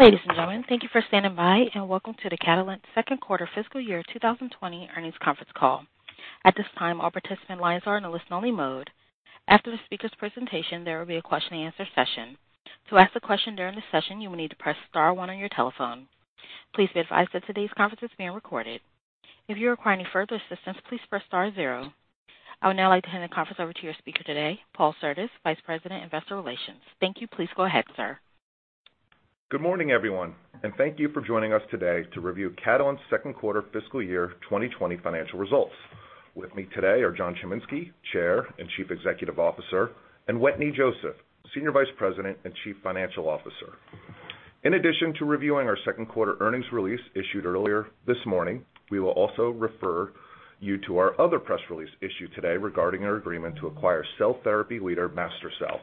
Ladies and gentlemen, thank you for standing by and welcome to the Catalent second quarter fiscal year 2020 earnings conference call. At this time, all participant lines are in a listen-only mode. After the speaker's presentation, there will be a question-and-answer session. To ask a question during the session, you will need to press star one on your telephone. Please be advised that today's conference is being recorded. If you require any further assistance, please press star zero. I would now like to hand the conference over to your speaker today, Paul Surdez, Vice President, Investor Relations. Thank you. Please go ahead, sir. Good morning, everyone, and thank you for joining us today to review Catalent's second quarter fiscal year 2020 financial results. With me today are John Chiminski, Chair and Chief Executive Officer, and Wetteny Joseph, Senior Vice President and Chief Financial Officer. In addition to reviewing our second quarter earnings release issued earlier this morning, we will also refer you to our other press release issued today regarding our agreement to acquire cell therapy leader, MaSTherCell.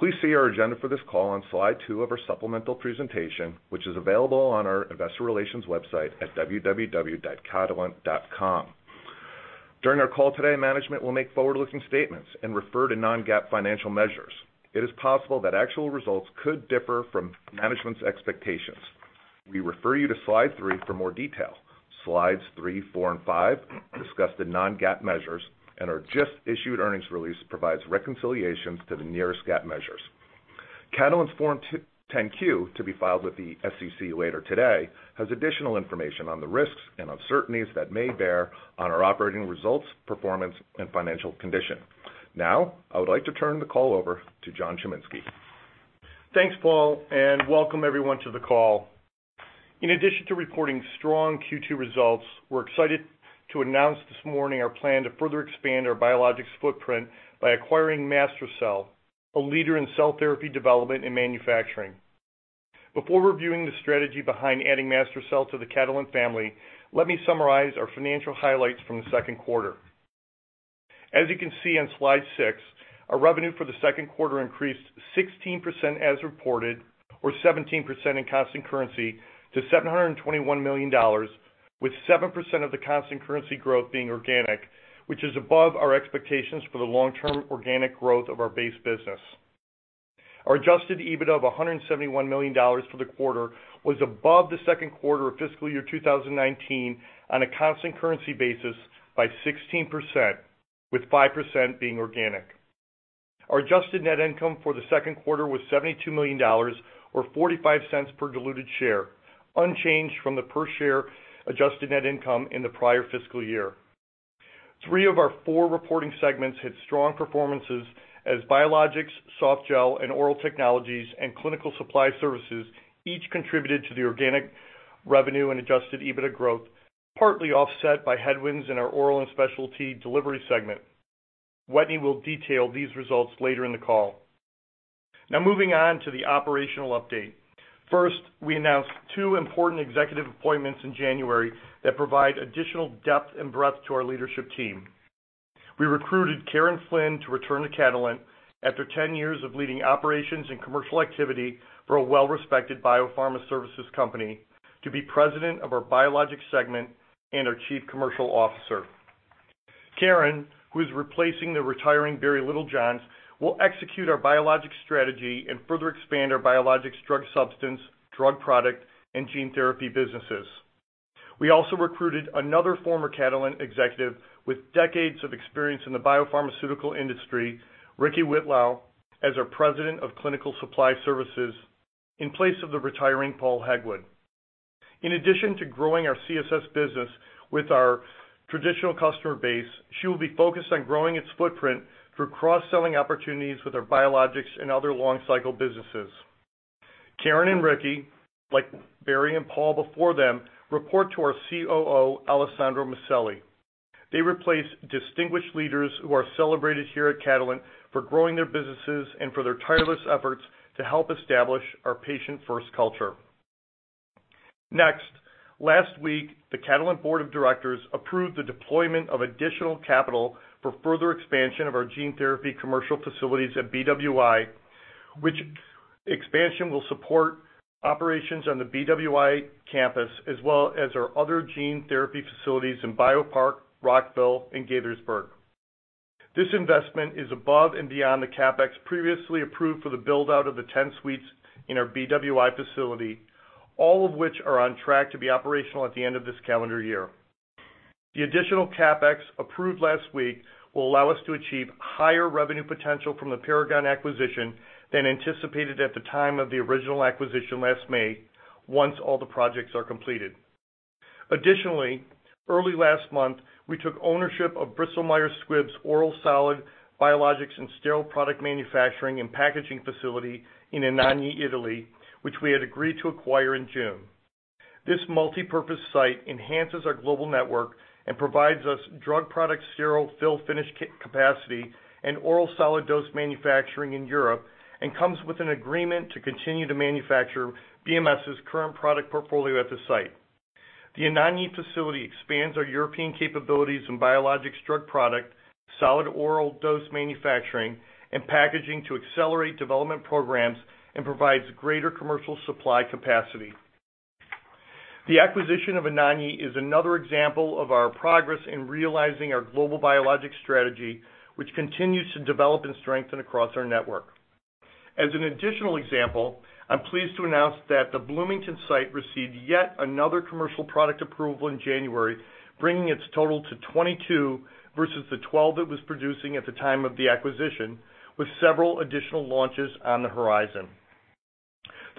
Please see our agenda for this call on slide two of our supplemental presentation, which is available on our Investor Relations website at www.catalent.com. During our call today, management will make forward-looking statements and refer to non-GAAP financial measures. It is possible that actual results could differ from management's expectations. We refer you to slide three for more detail. Slides three, four, and five discuss the non-GAAP measures, and our just-issued earnings release provides reconciliations to the nearest GAAP measures. Catalent's Form 10-Q, to be filed with the SEC later today, has additional information on the risks and uncertainties that may bear on our operating results, performance, and financial condition. Now, I would like to turn the call over to John Chiminski. Thanks, Paul, and welcome everyone to the call. In addition to reporting strong Q2 results, we're excited to announce this morning our plan to further expand our biologics footprint by acquiring MaSTherCell, a leader in cell therapy development and manufacturing. Before reviewing the strategy behind adding MaSTherCell to the Catalent family, let me summarize our financial highlights from the second quarter. As you can see on slide six, our revenue for the second quarter increased 16% as reported, or 17% in constant currency, to $721 million, with 7% of the constant currency growth being organic, which is above our expectations for the long-term organic growth of our base business. Our adjusted EBITDA of $171 million for the quarter was above the second quarter of fiscal year 2019 on a constant currency basis by 16%, with 5% being organic. Our Adjusted Net Income for the second quarter was $72 million, or $0.45 per diluted share, unchanged from the per-share Adjusted Net Income in the prior fiscal year. Three of our four reporting segments had strong performances as Biologics, Softgel and Oral Technologies, and Clinical Supply Services each contributed to the organic revenue and adjusted EBITDA growth, partly offset by headwinds in our Oral and Specialty Delivery segment. Wetteny will detail these results later in the call. Now, moving on to the operational update. First, we announced two important executive appointments in January that provide additional depth and breadth to our leadership team. We recruited Karen Flynn to return to Catalent after 10 years of leading operations and commercial activity for a well-respected biopharma services company to be President of our Biologics segment and our Chief Commercial Officer. Karen, who is replacing the retiring Barry Littlejohns, will execute our biologics strategy and further expand our biologics drug substance, drug product, and gene therapy businesses. We also recruited another former Catalent executive with decades of experience in the biopharmaceutical industry, Ricci Whitlow, as our president of clinical supply services in place of the retiring Paul Heywood. In addition to growing our CSS business with our traditional customer base, she will be focused on growing its footprint through cross-selling opportunities with our biologics and other long-cycle businesses. Karen and Ricci, like Barry and Paul before them, report to our COO, Alessandro Maselli. They replace distinguished leaders who are celebrated here at Catalent for growing their businesses and for their tireless efforts to help establish our patient-first culture. Next, last week, the Catalent Board of Directors approved the deployment of additional capital for further expansion of our gene therapy commercial facilities at BWI, which expansion will support operations on the BWI campus as well as our other gene therapy facilities in BioPark, Rockville, and Gaithersburg. This investment is above and beyond the CapEx previously approved for the build-out of the 10 suites in our BWI facility, all of which are on track to be operational at the end of this calendar year. The additional CapEx approved last week will allow us to achieve higher revenue potential from the Paragon acquisition than anticipated at the time of the original acquisition last May, once all the projects are completed. Additionally, early last month, we took ownership of Bristol-Myers Squibb's oral solid biologics and sterile product manufacturing and packaging facility in Anagni, Italy, which we had agreed to acquire in June. This multi-purpose site enhances our global network and provides us drug product sterile fill finish capacity and oral solid dose manufacturing in Europe and comes with an agreement to continue to manufacture BMS's current product portfolio at the site. The Anagni facility expands our European capabilities in biologics drug product, solid oral dose manufacturing, and packaging to accelerate development programs and provides greater commercial supply capacity. The acquisition of Anagni is another example of our progress in realizing our global biologics strategy, which continues to develop and strengthen across our network. As an additional example, I'm pleased to announce that the Bloomington site received yet another commercial product approval in January, bringing its total to 22 versus the 12 it was producing at the time of the acquisition, with several additional launches on the horizon.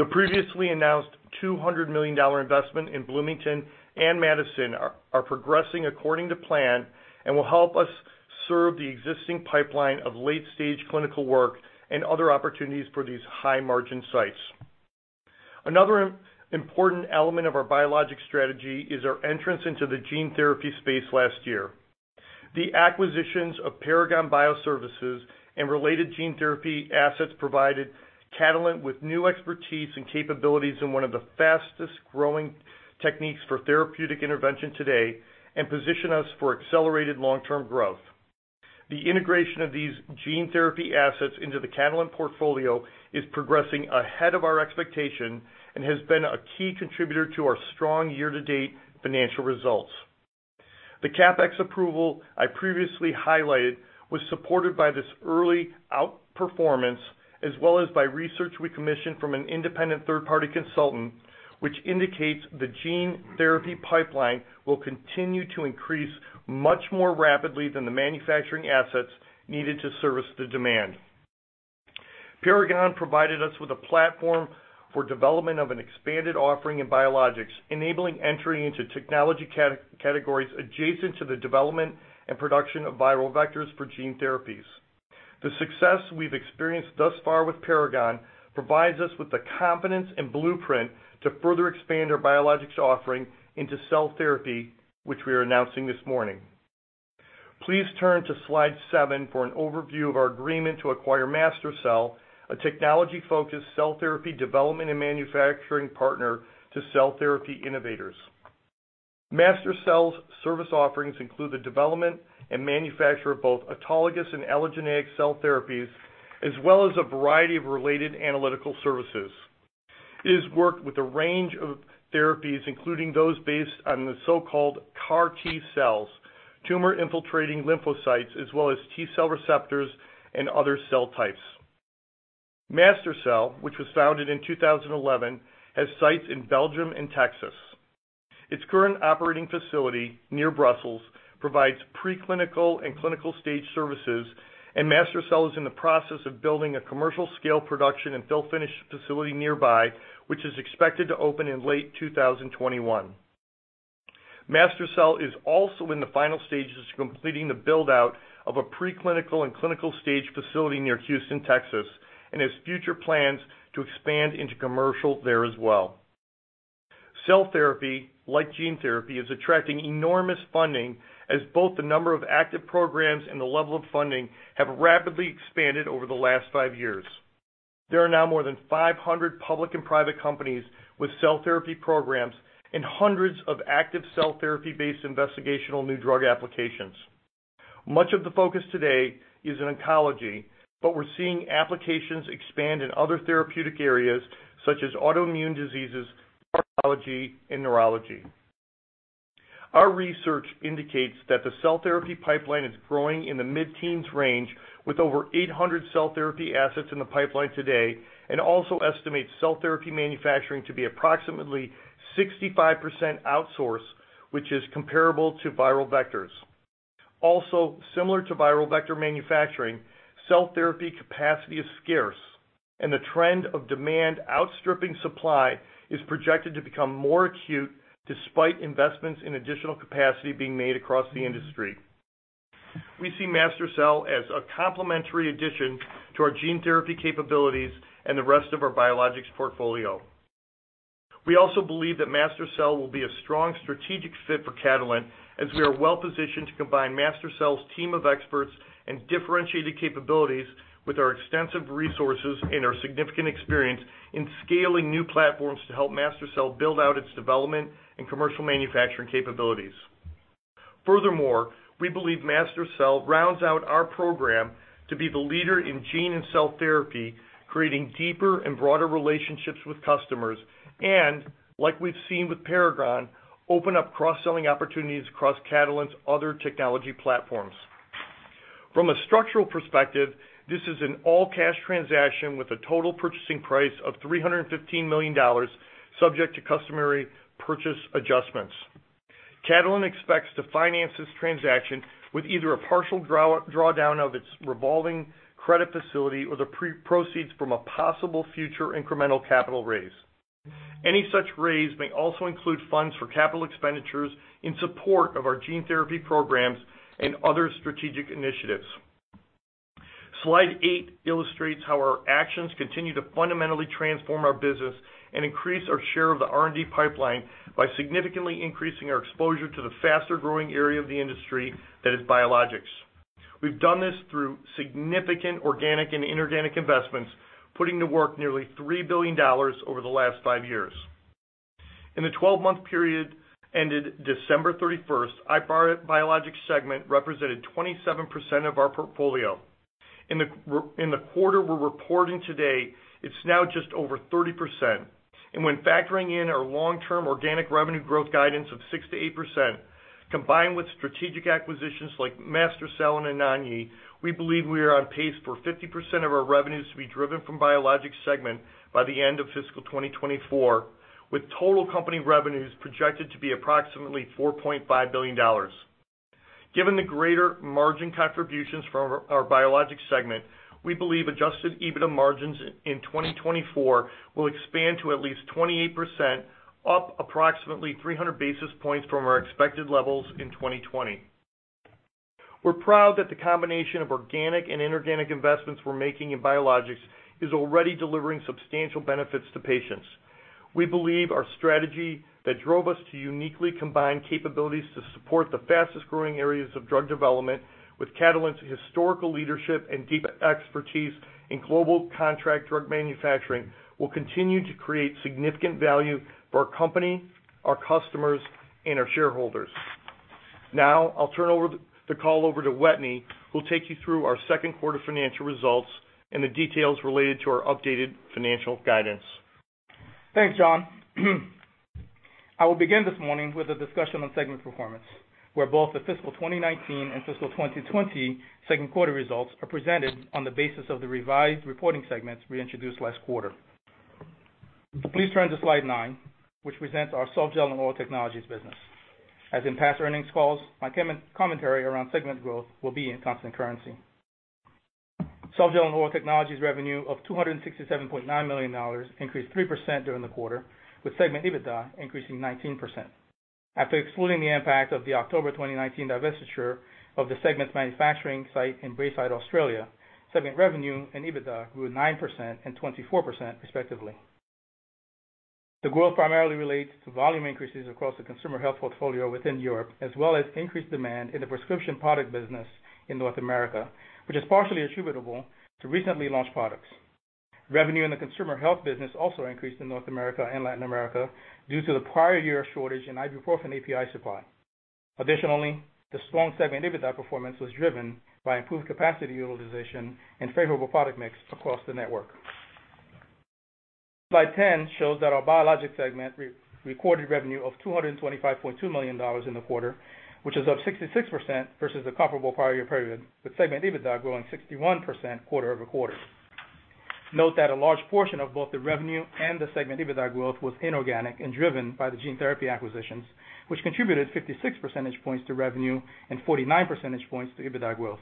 The previously announced $200 million investment in Bloomington and Madison are progressing according to plan and will help us serve the existing pipeline of late-stage clinical work and other opportunities for these high-margin sites. Another important element of our biologics strategy is our entrance into the gene therapy space last year. The acquisitions of Paragon Bioservices and related gene therapy assets provided Catalent with new expertise and capabilities in one of the fastest-growing techniques for therapeutic intervention today and position us for accelerated long-term growth. The integration of these gene therapy assets into the Catalent portfolio is progressing ahead of our expectation and has been a key contributor to our strong year-to-date financial results. The CapEx approval I previously highlighted was supported by this early outperformance as well as by research we commissioned from an independent third-party consultant, which indicates the gene therapy pipeline will continue to increase much more rapidly than the manufacturing assets needed to service the demand. Paragon provided us with a platform for development of an expanded offering in biologics, enabling entry into technology categories adjacent to the development and production of viral vectors for gene therapies. The success we've experienced thus far with Paragon provides us with the confidence and blueprint to further expand our biologics offering into cell therapy, which we are announcing this morning. Please turn to slide seven for an overview of our agreement to acquire MaSTherCell, a technology-focused cell therapy development and manufacturing partner to cell therapy innovators. MaSTherCell's service offerings include the development and manufacture of both autologous and allogeneic cell therapies, as well as a variety of related analytical services. It has worked with a range of therapies, including those based on the so-called CAR-T cells, tumor-infiltrating lymphocytes, as well as T cell receptors and other cell types. MaSTherCell, which was founded in 2011, has sites in Belgium and Texas. Its current operating facility near Brussels provides preclinical and clinical stage services, and MaSTherCell is in the process of building a commercial-scale production and fill finish facility nearby, which is expected to open in late 2021. MaSTherCell is also in the final stages of completing the build-out of a preclinical and clinical stage facility near Houston, Texas, and has future plans to expand into commercial there as well. Cell therapy, like gene therapy, is attracting enormous funding as both the number of active programs and the level of funding have rapidly expanded over the last five years. There are now more than 500 public and private companies with cell therapy programs and hundreds of active cell therapy-based investigational new drug applications. Much of the focus today is in oncology, but we're seeing applications expand in other therapeutic areas such as autoimmune diseases, cardiology, and neurology. Our research indicates that the cell therapy pipeline is growing in the mid-teens range, with over 800 cell therapy assets in the pipeline today, and also estimates cell therapy manufacturing to be approximately 65% outsourced, which is comparable to viral vectors. Also, similar to viral vector manufacturing, cell therapy capacity is scarce, and the trend of demand outstripping supply is projected to become more acute despite investments in additional capacity being made across the industry. We see MaSTherCell as a complementary addition to our gene therapy capabilities and the rest of our biologics portfolio. We also believe that MaSTherCell will be a strong strategic fit for Catalent as we are well-positioned to combine MaSTherCell's team of experts and differentiated capabilities with our extensive resources and our significant experience in scaling new platforms to help MaSTherCell build out its development and commercial manufacturing capabilities. Furthermore, we believe MaSTherCell rounds out our program to be the leader in gene and cell therapy, creating deeper and broader relationships with customers and, like we've seen with Paragon, open up cross-selling opportunities across Catalent's other technology platforms. From a structural perspective, this is an all-cash transaction with a total purchase price of $315 million, subject to customary purchase adjustments. Catalent expects to finance this transaction with either a partial drawdown of its revolving credit facility or the proceeds from a possible future incremental capital raise. Any such raise may also include funds for capital expenditures in support of our gene therapy programs and other strategic initiatives. Slide eight illustrates how our actions continue to fundamentally transform our business and increase our share of the R&D pipeline by significantly increasing our exposure to the faster-growing area of the industry that is biologics. We've done this through significant organic and inorganic investments, putting to work nearly $3 billion over the last five years. In the 12-month period ended December 31st, our biologics segment represented 27% of our portfolio. In the quarter we're reporting today, it's now just over 30%. When factoring in our long-term organic revenue growth guidance of 6%-8%, combined with strategic acquisitions like MaSTherCell and Anagni, we believe we are on pace for 50% of our revenues to be driven from Biologics segment by the end of fiscal 2024, with total company revenues projected to be approximately $4.5 billion. Given the greater margin contributions from our Biologics segment, we believe adjusted EBITDA margins in 2024 will expand to at least 28%, up approximately 300 basis points from our expected levels in 2020. We're proud that the combination of organic and inorganic investments we're making in biologics is already delivering substantial benefits to patients. We believe our strategy that drove us to uniquely combine capabilities to support the fastest-growing areas of drug development, with Catalent's historical leadership and deep expertise in global contract drug manufacturing, will continue to create significant value for our company, our customers, and our shareholders. Now, I'll turn the call over to Wetteny, who'll take you through our second quarter financial results and the details related to our updated financial guidance. Thanks, John. I will begin this morning with a discussion on segment performance, where both the fiscal 2019 and fiscal 2020 second quarter results are presented on the basis of the revised reporting segments we introduced last quarter. Please turn to slide nine, which presents our Softgel and Oral Technologies business. As in past earnings calls, my commentary around segment growth will be in constant currency. Softgel and Oral Technologies revenue of $267.9 million increased 3% during the quarter, with segment EBITDA increasing 19%. After excluding the impact of the October 2019 divestiture of the segment's manufacturing site in Braeside, Australia, segment revenue and EBITDA grew 9% and 24%, respectively. The growth primarily relates to volume increases across the consumer health portfolio within Europe, as well as increased demand in the prescription product business in North America, which is partially attributable to recently launched products. Revenue in the consumer health business also increased in North America and Latin America due to the prior year shortage in Ibuprofen API supply. Additionally, the strong segment EBITDA performance was driven by improved capacity utilization and favorable product mix across the network. Slide 10 shows that our biologics segment recorded revenue of $225.2 million in the quarter, which is up 66% versus the comparable prior year period, with segment EBITDA growing 61% quarter-over-quarter. Note that a large portion of both the revenue and the segment EBITDA growth was inorganic and driven by the gene therapy acquisitions, which contributed 56 percentage points to revenue and 49 percentage points to EBITDA growth.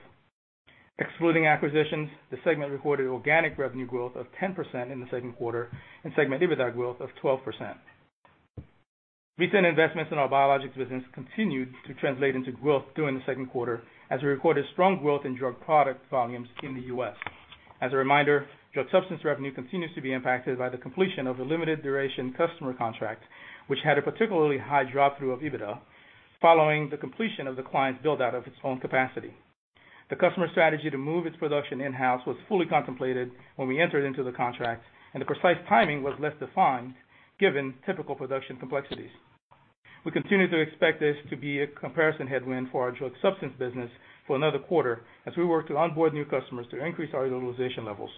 Excluding acquisitions, the segment recorded organic revenue growth of 10% in the second quarter and segment EBITDA growth of 12%. Recent investments in our biologics business continued to translate into growth during the second quarter, as we recorded strong growth in drug product volumes in the U.S. As a reminder, drug substance revenue continues to be impacted by the completion of a limited duration customer contract, which had a particularly high drop-through of EBITDA following the completion of the client's build-out of its own capacity. The customer strategy to move its production in-house was fully contemplated when we entered into the contract, and the precise timing was less defined given typical production complexities. We continue to expect this to be a comparison headwind for our drug substance business for another quarter as we work to onboard new customers to increase our utilization levels.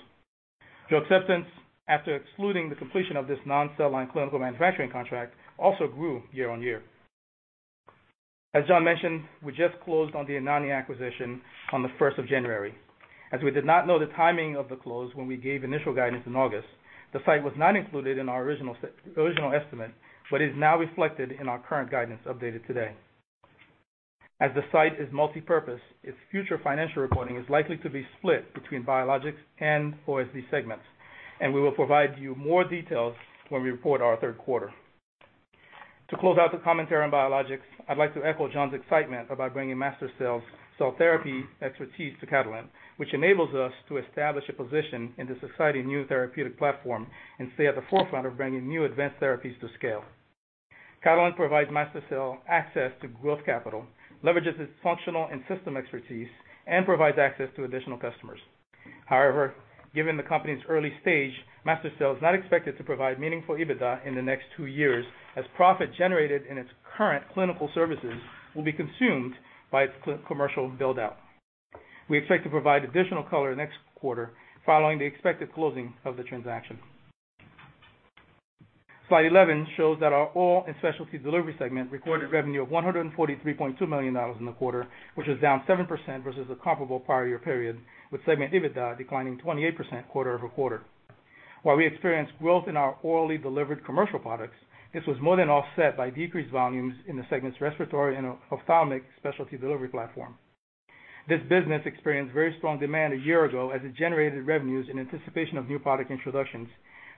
Drug substance, after excluding the completion of this non-cell line clinical manufacturing contract, also grew year-on-year. As John mentioned, we just closed on the Anagni acquisition on the 1st of January. As we did not know the timing of the close when we gave initial guidance in August, the site was not included in our original estimate but is now reflected in our current guidance updated today. As the site is multi-purpose, its future financial reporting is likely to be split between biologics and OSD segments, and we will provide you more details when we report our third quarter. To close out the commentary on biologics, I'd like to echo John's excitement about bringing MaSTherCell's cell therapy expertise to Catalent, which enables us to establish a position in this exciting new therapeutic platform and stay at the forefront of bringing new advanced therapies to scale. Catalent provides MaSTherCell access to growth capital, leverages its functional and system expertise, and provides access to additional customers. However, given the company's early stage, MaSTherCell is not expected to provide meaningful EBITDA in the next two years as profit generated in its current clinical services will be consumed by its commercial build-out. We expect to provide additional color next quarter following the expected closing of the transaction. Slide 11 shows that our oral and Specialty Delivery segment recorded revenue of $143.2 million in the quarter, which was down 7% versus the comparable prior year period, with segment EBITDA declining 28% quarter-over-quarter. While we experienced growth in our orally delivered commercial products, this was more than offset by decreased volumes in the segment's respiratory and ophthalmic specialty delivery platform. This business experienced very strong demand a year ago as it generated revenues in anticipation of new product introductions.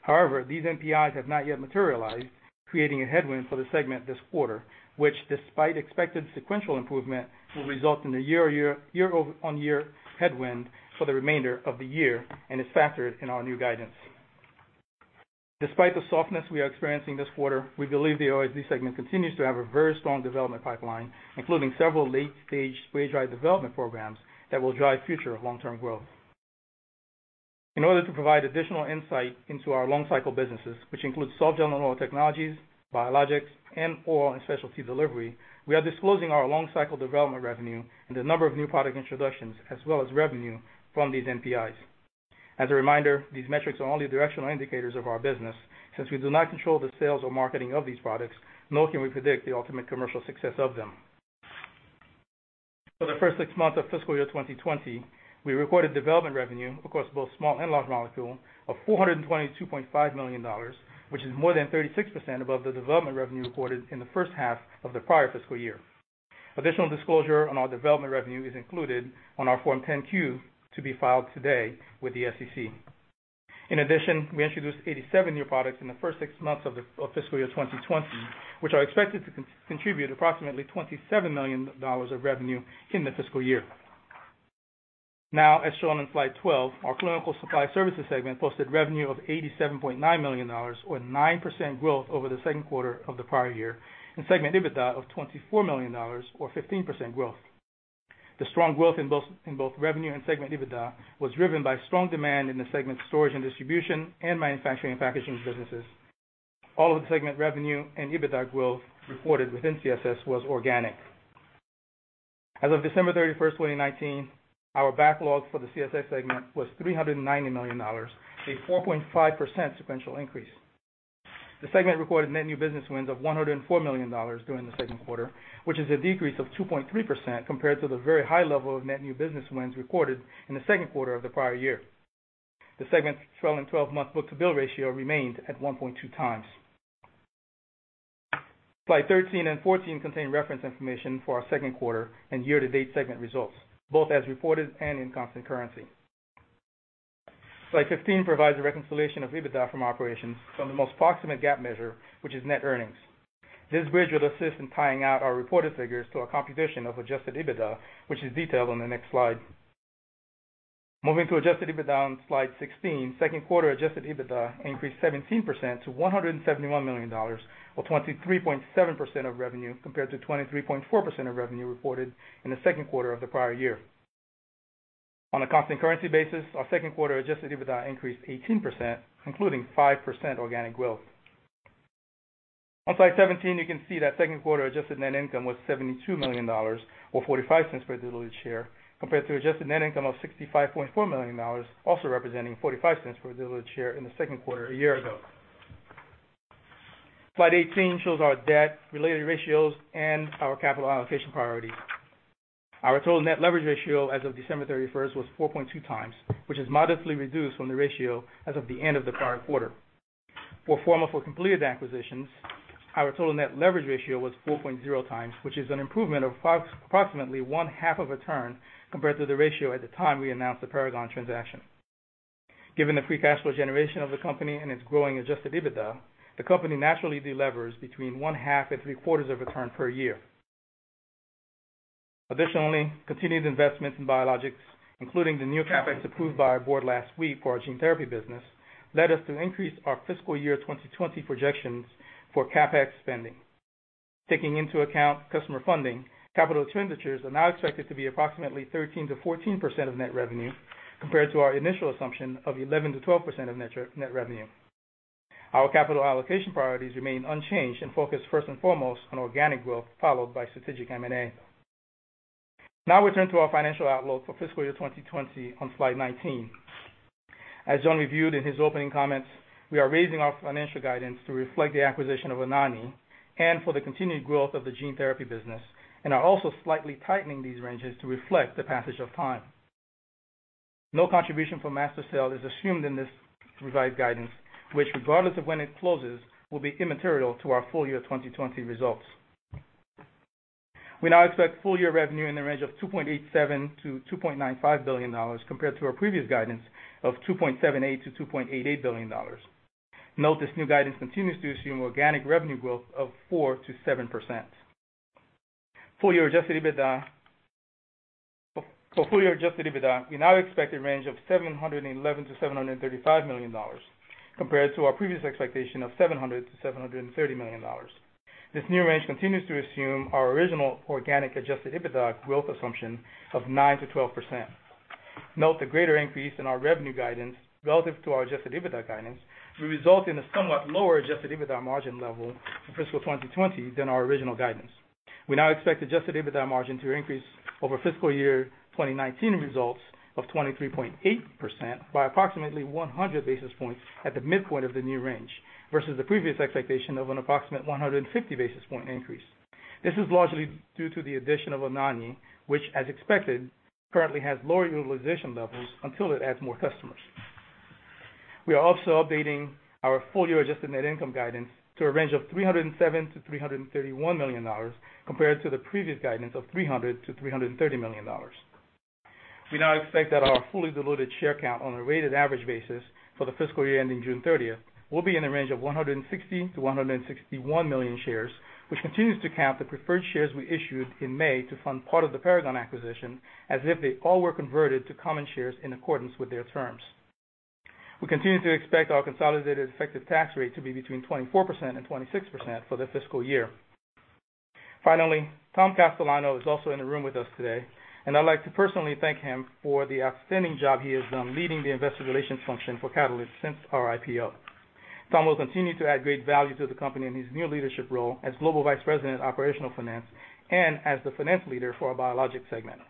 However, these NPIs have not yet materialized, creating a headwind for the segment this quarter, which, despite expected sequential improvement, will result in a year-over-year headwind for the remainder of the year and is factored in our new guidance. Despite the softness we are experiencing this quarter, we believe the OSD segment continues to have a very strong development pipeline, including several late-stage weighted development programs that will drive future long-term growth. In order to provide additional insight into our long-cycle businesses, which include Softgel and Oral Technologies, Biologics, and Oral and Specialty Delivery, we are disclosing our long-cycle development revenue and the number of new product introductions, as well as revenue from these NPIs. As a reminder, these metrics are only directional indicators of our business since we do not control the sales or marketing of these products, nor can we predict the ultimate commercial success of them. For the first six months of fiscal year 2020, we recorded development revenue across both small and large molecule of $422.5 million, which is more than 36% above the development revenue recorded in the first half of the prior fiscal year. Additional disclosure on our development revenue is included on our Form 10-Q to be filed today with the SEC. In addition, we introduced 87 new products in the first six months of fiscal year 2020, which are expected to contribute approximately $27 million of revenue in the fiscal year. Now, as shown on slide 12, our clinical supply services segment posted revenue of $87.9 million, or 9% growth over the second quarter of the prior year, and segment EBITDA of $24 million, or 15% growth. The strong growth in both revenue and segment EBITDA was driven by strong demand in the segment's storage and distribution and manufacturing and packaging businesses. All of the segment revenue and EBITDA growth reported within CSS was organic. As of December 31st, 2019, our backlog for the CSS segment was $390 million, a 4.5% sequential increase. The segment recorded net new business wins of $104 million during the second quarter, which is a decrease of 2.3% compared to the very high level of net new business wins recorded in the second quarter of the prior year. The segment's 12-month book-to-bill ratio remained at 1.2 times. Slides 13 and 14 contain reference information for our second quarter and year-to-date segment results, both as reported and in constant currency. Slide 15 provides a reconciliation of EBITDA from operations from the most proximate GAAP measure, which is net earnings. This bridge will assist in tying out our reported figures to a composition of adjusted EBITDA, which is detailed on the next slide. Moving to adjusted EBITDA on slide 16, second quarter adjusted EBITDA increased 17% to $171 million, or 23.7% of revenue compared to 23.4% of revenue reported in the second quarter of the prior year. On a constant currency basis, our second quarter adjusted EBITDA increased 18%, including 5% organic growth. On slide 17, you can see that second quarter Adjusted Net Income was $72 million, or $0.45 per diluted share, compared to Adjusted Net Income of $65.4 million, also representing $0.45 per diluted share in the second quarter a year ago. Slide 18 shows our debt-related ratios and our capital allocation priority. Our total net leverage ratio as of December 31st was 4.2 times, which is modestly reduced from the ratio as of the end of the prior quarter. Pro forma for completed acquisitions, our total net leverage ratio was 4.0 times, which is an improvement of approximately one-half of a turn compared to the ratio at the time we announced the Paragon transaction. Given the free cash flow generation of the company and its growing adjusted EBITDA, the company naturally delivers between 1/3 and 3/4 of a turn per year. Additionally, continued investments in biologics, including the new CapEx approved by our board last week for our gene therapy business, led us to increase our fiscal year 2020 projections for CapEx spending. Taking into account customer funding, capital expenditures are now expected to be approximately 13%-14% of net revenue compared to our initial assumption of 11%-12% of net revenue. Our capital allocation priorities remain unchanged and focus first and foremost on organic growth, followed by strategic M&A. Now, we turn to our financial outlook for fiscal year 2020 on slide 19. As John reviewed in his opening comments, we are raising our financial guidance to reflect the acquisition of Anagni and for the continued growth of the gene therapy business and are also slightly tightening these ranges to reflect the passage of time. No contribution from MaSTherCell is assumed in this revised guidance, which, regardless of when it closes, will be immaterial to our full year 2020 results. We now expect full year revenue in the range of $2.87 billion-$2.95 billion compared to our previous guidance of $2.78 billion-$2.88 billion. Note this new guidance continues to assume organic revenue growth of 4%-7%. For full year adjusted EBITDA, we now expect a range of $711 million-$735 million compared to our previous expectation of $700 million-$730 million. This new range continues to assume our original organic adjusted EBITDA growth assumption of 9%-12%. Note the greater increase in our revenue guidance relative to our adjusted EBITDA guidance will result in a somewhat lower adjusted EBITDA margin level for fiscal 2020 than our original guidance. We now expect adjusted EBITDA margin to increase over fiscal year 2019 results of 23.8% by approximately 100 basis points at the midpoint of the new range versus the previous expectation of an approximate 150 basis point increase. This is largely due to the addition of Anagni, which, as expected, currently has lower utilization levels until it adds more customers. We are also updating our full year adjusted net income guidance to a range of $307 million-$331 million compared to the previous guidance of $300 million-$330 million. We now expect that our fully diluted share count on a weighted average basis for the fiscal year ending June 30th will be in the range of 160 million-161 million shares, which continues to count the preferred shares we issued in May to fund part of the Paragon acquisition as if they all were converted to common shares in accordance with their terms. We continue to expect our consolidated effective tax rate to be between 24% and 26% for the fiscal year. Finally, Tom Castellano is also in the room with us today, and I'd like to personally thank him for the outstanding job he has done leading the investor relations function for Catalent since our IPO. Tom will continue to add great value to the company in his new leadership role as Global Vice President, Operational Finance, and as the Finance Leader for our biologics segment.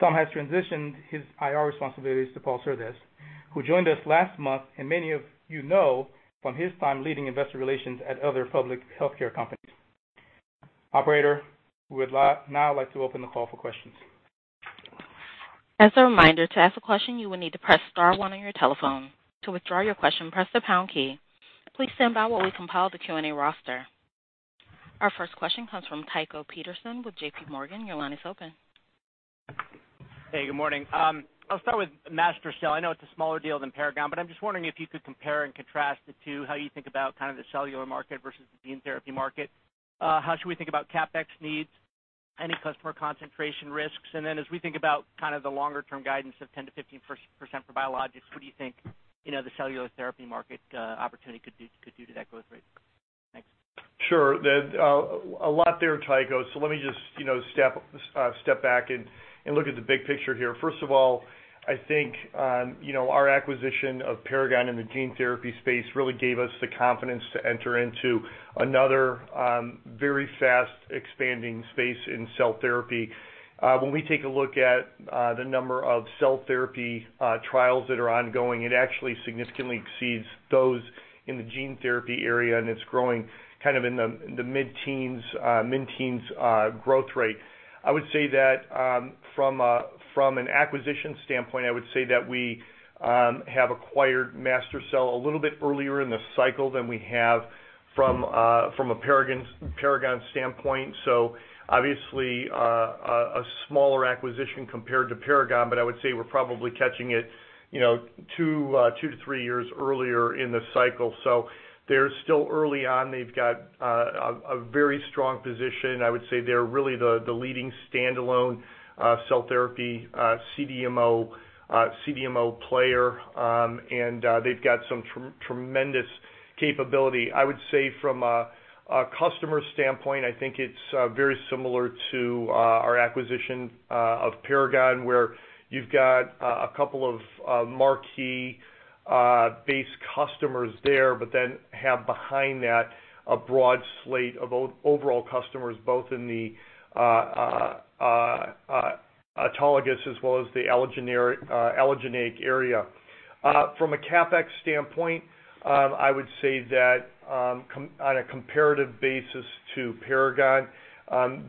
Tom has transitioned his IR responsibilities to Paul Surdez, who joined us last month, and many of you know from his time leading investor relations at other public healthcare companies. Operator, we would now like to open the call for questions. As a reminder, to ask a question, you will need to press star one on your telephone. To withdraw your question, press the pound key. Please stand by while we compile the Q&A roster. Our first question comes from Tycho Peterson with JPMorgan. Your line is open. Hey, good morning. I'll start with MaSTherCell. I know it's a smaller deal than Paragon, but I'm just wondering if you could compare and contrast the two, how you think about kind of the cellular market versus the gene therapy market, how should we think about CapEx needs, any customer concentration risks, and then as we think about kind of the longer-term guidance of 10%-15% for Biologics, what do you think the cellular therapy market opportunity could do to that growth rate? Thanks. Sure. A lot there, Tycho, so let me just step back and look at the big picture here. First of all, I think our acquisition of Paragon in the gene therapy space really gave us the confidence to enter into another very fast expanding space in cell therapy. When we take a look at the number of cell therapy trials that are ongoing, it actually significantly exceeds those in the gene therapy area, and it's growing kind of in the mid-teens growth rate. I would say that from an acquisition standpoint, I would say that we have acquired MaSTherCell a little bit earlier in the cycle than we have from a Paragon standpoint. So obviously, a smaller acquisition compared to Paragon, but I would say we're probably catching it two to three years earlier in the cycle. So they're still early on. They've got a very strong position. I would say they're really the leading standalone cell therapy CDMO player, and they've got some tremendous capability. I would say from a customer standpoint, I think it's very similar to our acquisition of Paragon, where you've got a couple of marquee-based customers there, but then have behind that a broad slate of overall customers, both in the autologous as well as the allogeneic area. From a CapEx standpoint, I would say that on a comparative basis to Paragon,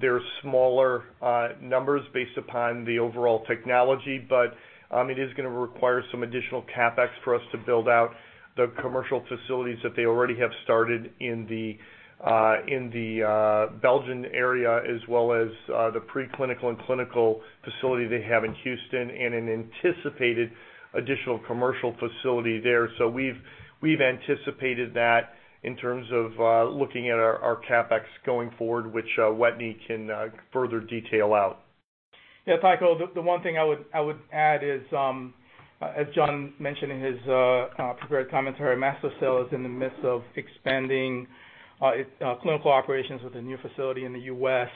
they're smaller numbers based upon the overall technology, but it is going to require some additional CapEx for us to build out the commercial facilities that they already have started in the Belgian area, as well as the preclinical and clinical facility they have in Houston, and an anticipated additional commercial facility there. So we've anticipated that in terms of looking at our CapEx going forward, which Wetteny can further detail out. Yeah, Tycho, the one thing I would add is, as John mentioned in his prepared commentary, MaSTherCell is in the midst of expanding clinical operations with a new facility in the U.S.,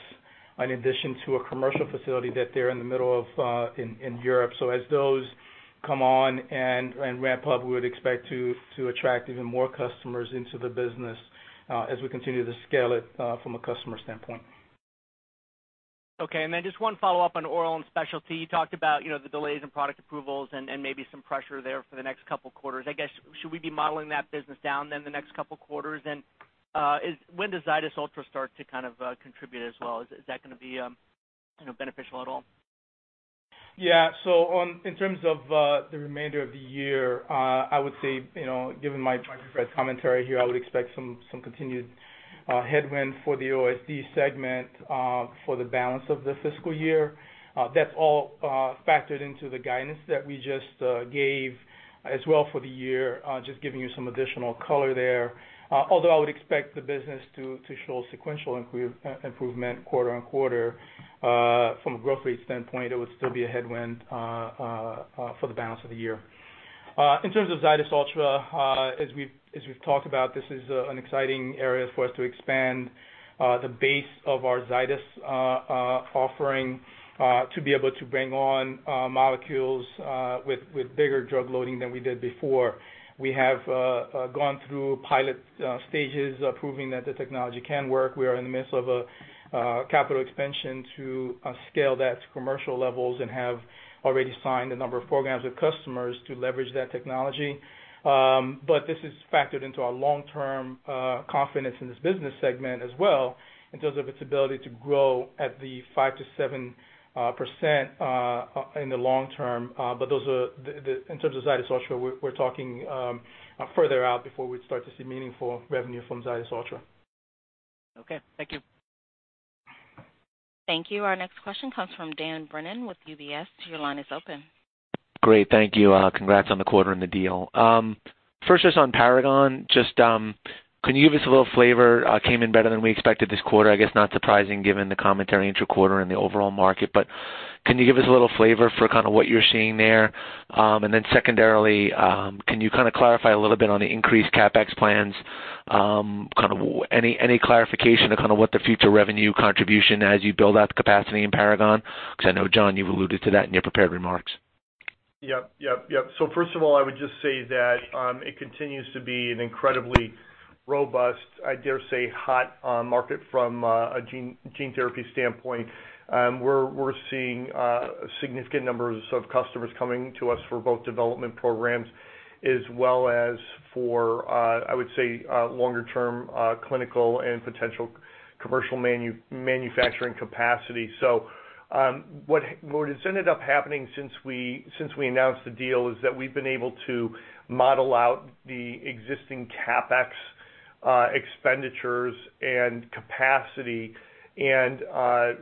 in addition to a commercial facility that they're in the middle of in Europe. So as those come on and ramp up, we would expect to attract even more customers into the business as we continue to scale it from a customer standpoint. Okay. And then just one follow-up on Oral and Specialty. You talked about the delays in product approvals and maybe some pressure there for the next couple of quarters. I guess, should we be modeling that business down then the next couple of quarters? And when does Zydis Ultra start to kind of contribute as well? Is that going to be beneficial at all? Yeah. So in terms of the remainder of the year, I would say, given my prepared commentary here, I would expect some continued headwind for the OSD segment for the balance of the fiscal year. That's all factored into the guidance that we just gave as well for the year, just giving you some additional color there. Although I would expect the business to show sequential improvement quarter-on-quarter, from a growth rate standpoint, it would still be a headwind for the balance of the year. In terms of Zydis Ultra, as we've talked about, this is an exciting area for us to expand the base of our Zydis offering to be able to bring on molecules with bigger drug loading than we did before. We have gone through pilot stages proving that the technology can work. We are in the midst of a capital expansion to scale that to commercial levels and have already signed a number of programs with customers to leverage that technology. But this is factored into our long-term confidence in this business segment as well in terms of its ability to grow at the 5%-7% in the long term. But in terms of Zydis Ultra, we're talking further out before we'd start to see meaningful revenue from Zydis Ultra. Okay. Thank you. Thank you. Our next question comes from Dan Brennan with UBS. Your line is open. Great. Thank you. Congrats on the quarter and the deal. First, just on Paragon, just can you give us a little flavor? It came in better than we expected this quarter. I guess, not surprising, given the commentary in each quarter and the overall market. But can you give us a little flavor for kind of what you're seeing there? And then secondarily, can you kind of clarify a little bit on the increased CapEx plans? Kind of any clarification of kind of what the future revenue contribution as you build out the capacity in Paragon? Because I know, John, you've alluded to that in your prepared remarks. Yep. Yep. Yep. So first of all, I would just say that it continues to be an incredibly robust, I dare say, hot market from a gene therapy standpoint. We're seeing significant numbers of customers coming to us for both development programs as well as for, I would say, longer-term clinical and potential commercial manufacturing capacity. So what has ended up happening since we announced the deal is that we've been able to model out the existing CapEx expenditures and capacity, and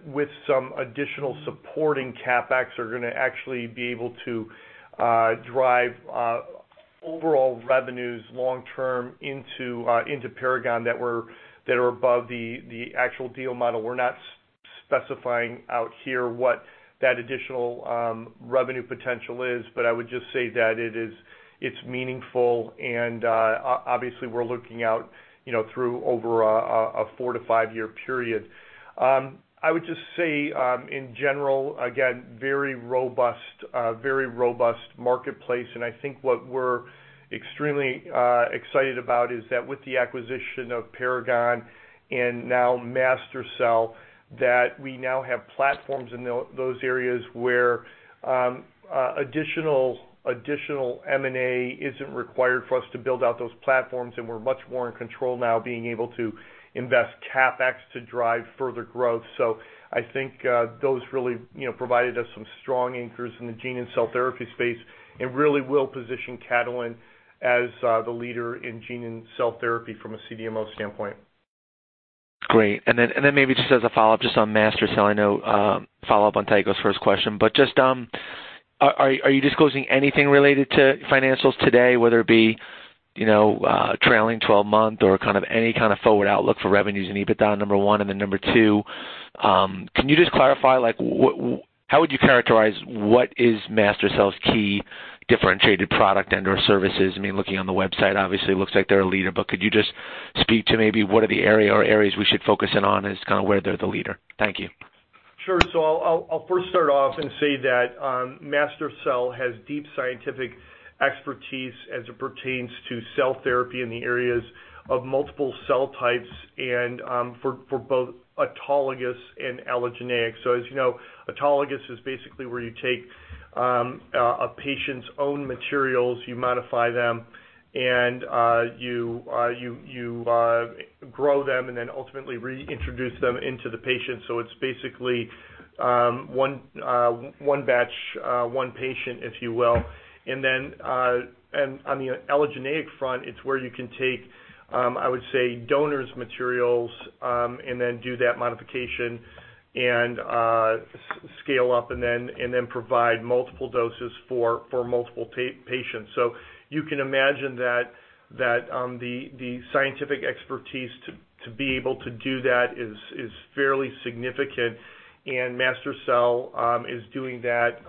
with some additional supporting CapEx, we're going to actually be able to drive overall revenues long term into Paragon that are above the actual deal model. We're not specifying out here what that additional revenue potential is, but I would just say that it's meaningful, and obviously, we're looking out through over a four to five-year period. I would just say, in general, again, very robust marketplace, and I think what we're extremely excited about is that with the acquisition of Paragon and now MaSTherCell, that we now have platforms in those areas where additional M&A isn't required for us to build out those platforms, and we're much more in control now being able to invest CapEx to drive further growth. So I think those really provided us some strong anchors in the gene and cell therapy space and really will position Catalent as the leader in gene and cell therapy from a CDMO standpoint. Great. And then maybe just as a follow-up, just on MaSTherCell, I know, follow-up on Tycho's first question, but just, are you disclosing anything related to financials today, whether it be trailing 12-month or kind of any kind of forward outlook for revenues in EBITDA, number one, and then number two, can you just clarify how would you characterize what is MaSTherCell's key differentiated product and/or services? I mean, looking on the website, obviously, it looks like they're a leader, but could you just speak to maybe what are the area or areas we should focus in on as kind of where they're the leader? Thank you. Sure. I'll first start off and say that MaSTherCell has deep scientific expertise as it pertains to cell therapy in the areas of multiple cell types and for both autologous and allogeneic. As you know, autologous is basically where you take a patient's own materials, you modify them, and you grow them, and then ultimately reintroduce them into the patient. So it's basically one batch, one patient, if you will. And then on the allogeneic front, it's where you can take, I would say, donors' materials and then do that modification and scale up and then provide multiple doses for multiple patients. So you can imagine that the scientific expertise to be able to do that is fairly significant, and MaSTherCell is doing that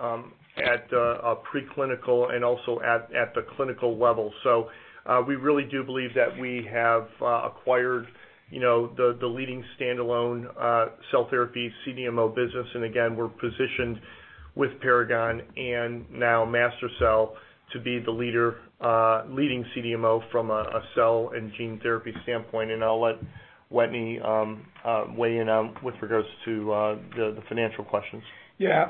at a preclinical and also at the clinical level. So we really do believe that we have acquired the leading standalone cell therapy CDMO business. And again, we're positioned with Paragon and now MaSTherCell to be the leading CDMO from a cell and gene therapy standpoint. And I'll let Wetteny weigh in with regards to the financial questions. Yeah.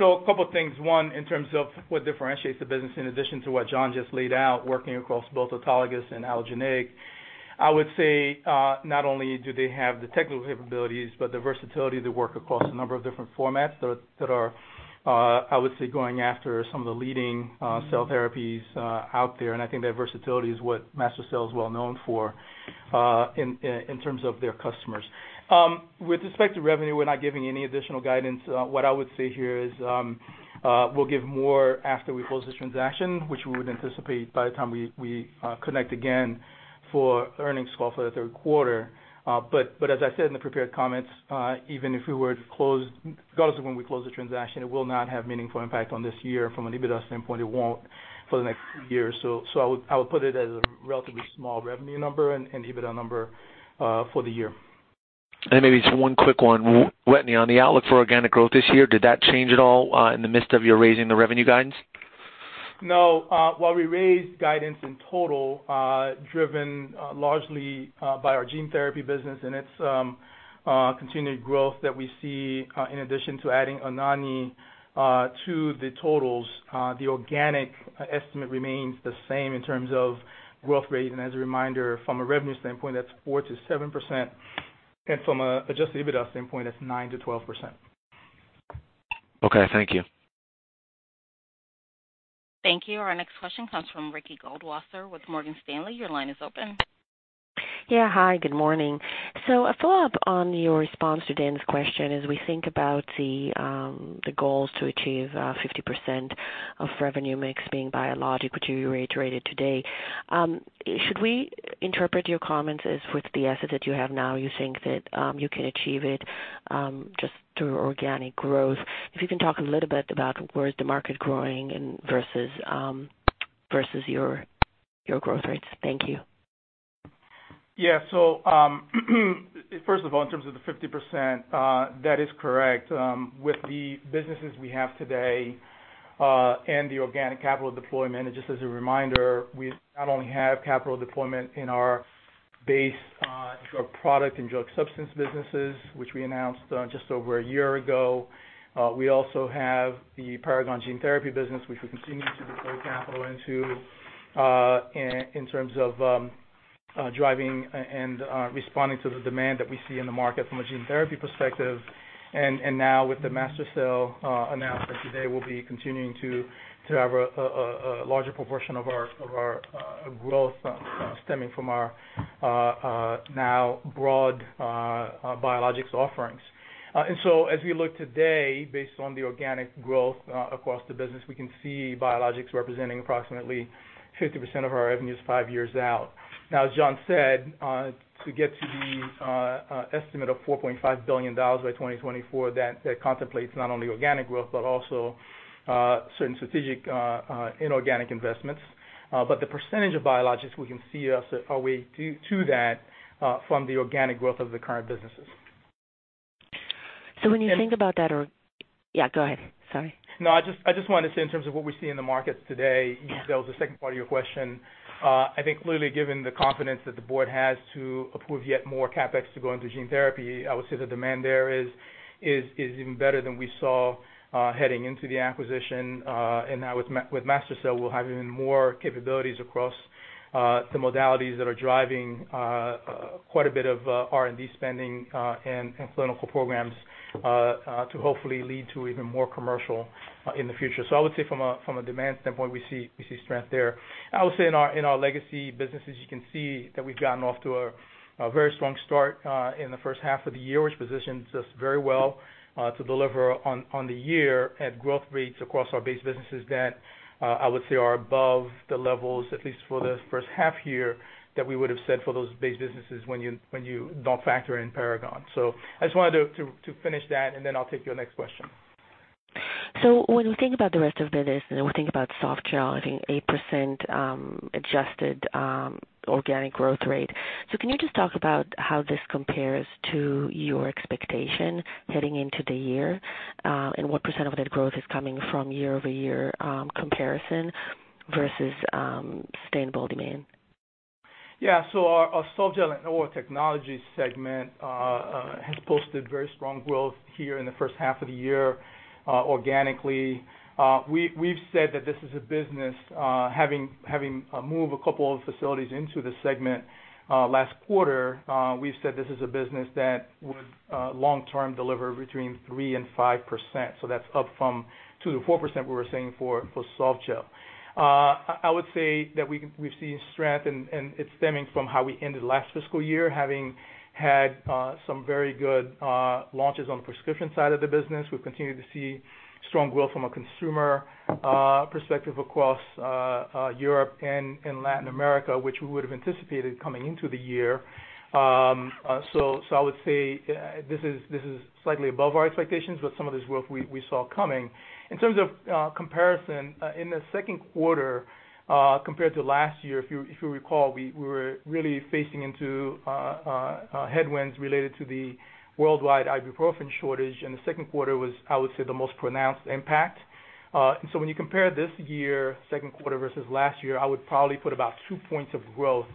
So a couple of things. One, in terms of what differentiates the business in addition to what John just laid out, working across both autologous and allogeneic, I would say not only do they have the technical capabilities, but the versatility to work across a number of different formats that are, I would say, going after some of the leading cell therapies out there. And I think that versatility is what MaSTherCell is well known for in terms of their customers. With respect to revenue, we're not giving any additional guidance. What I would say here is we'll give more after we close the transaction, which we would anticipate by the time we connect again for earnings call for the third quarter. But as I said in the prepared comments, even if we were to close, regardless of when we close the transaction, it will not have meaningful impact on this year. From an EBITDA standpoint, it won't for the next year. So I would put it as a relatively small revenue number and EBITDA number for the year. And maybe just one quick one, Wetteny, on the outlook for organic growth this year, did that change at all in the midst of your raising the revenue guidance? No. While we raised guidance in total, driven largely by our gene therapy business and its continued growth that we see in addition to adding Anagni to the totals, the organic estimate remains the same in terms of growth rate. And as a reminder, from a revenue standpoint, that's 4%-7%. And from an Adjusted EBITDA standpoint, that's 9%-12%. Okay. Thank you. Thank you. Our next question comes from Ricky Goldwasser with Morgan Stanley. Your line is open. Yeah. Hi. Good morning. So a follow-up on your response to Dan's question as we think about the goals to achieve 50% of revenue mix being biologics, which you reiterated today. Should we interpret your comments as with the asset that you have now, you think that you can achieve it just through organic growth? If you can talk a little bit about where is the market growing versus your growth rates? Thank you. Yeah. So first of all, in terms of the 50%, that is correct. With the businesses we have today and the organic capital deployment, and just as a reminder, we not only have capital deployment in our base drug product and drug substance businesses, which we announced just over a year ago. We also have the Paragon gene therapy business, which we continue to deploy capital into in terms of driving and responding to the demand that we see in the market from a gene therapy perspective. And now with the MaSTherCell announcement today, we'll be continuing to have a larger proportion of our growth stemming from our now broad biologics offerings. As we look today, based on the organic growth across the business, we can see biologics representing approximately 50% of our revenues five years out. Now, as John said, to get to the estimate of $4.5 billion by 2024, that contemplates not only organic growth but also certain strategic inorganic investments. But the percentage of biologics we can see our way to that from the organic growth of the current businesses. So when you think about that, or yeah, go ahead. Sorry. No, I just wanted to say in terms of what we see in the markets today, that was the second part of your question. I think clearly, given the confidence that the board has to approve yet more CapEx to go into gene therapy, I would say the demand there is even better than we saw heading into the acquisition. Now with MaSTherCell, we'll have even more capabilities across the modalities that are driving quite a bit of R&D spending and clinical programs to hopefully lead to even more commercial in the future. So I would say from a demand standpoint, we see strength there. I would say in our legacy businesses, you can see that we've gotten off to a very strong start in the first half of the year, which positions us very well to deliver on the year at growth rates across our base businesses that I would say are above the levels, at least for the first half year, that we would have said for those base businesses when you don't factor in Paragon. So I just wanted to finish that, and then I'll take your next question. When we think about the rest of the business, and we think about Softgel, I think 8% adjusted organic growth rate, so can you just talk about how this compares to your expectation heading into the year and what percent of that growth is coming from year-over-year comparison versus sustainable demand? Yeah. Our Softgel and Oral Technologies segment has posted very strong growth here in the first half of the year organically. We've said that this is a business having moved a couple of facilities into the segment last quarter. We've said this is a business that would long-term deliver between 3% and 5%. So that's up from 2%-4% we were seeing for Softgel. I would say that we've seen strength, and it's stemming from how we ended last fiscal year, having had some very good launches on the prescription side of the business. We've continued to see strong growth from a consumer perspective across Europe and Latin America, which we would have anticipated coming into the year. So I would say this is slightly above our expectations, but some of this growth we saw coming. In terms of comparison, in the second quarter, compared to last year, if you recall, we were really facing into headwinds related to the worldwide Ibuprofen shortage. And the second quarter was, I would say, the most pronounced impact. And so when you compare this year, second quarter versus last year, I would probably put about two points of growth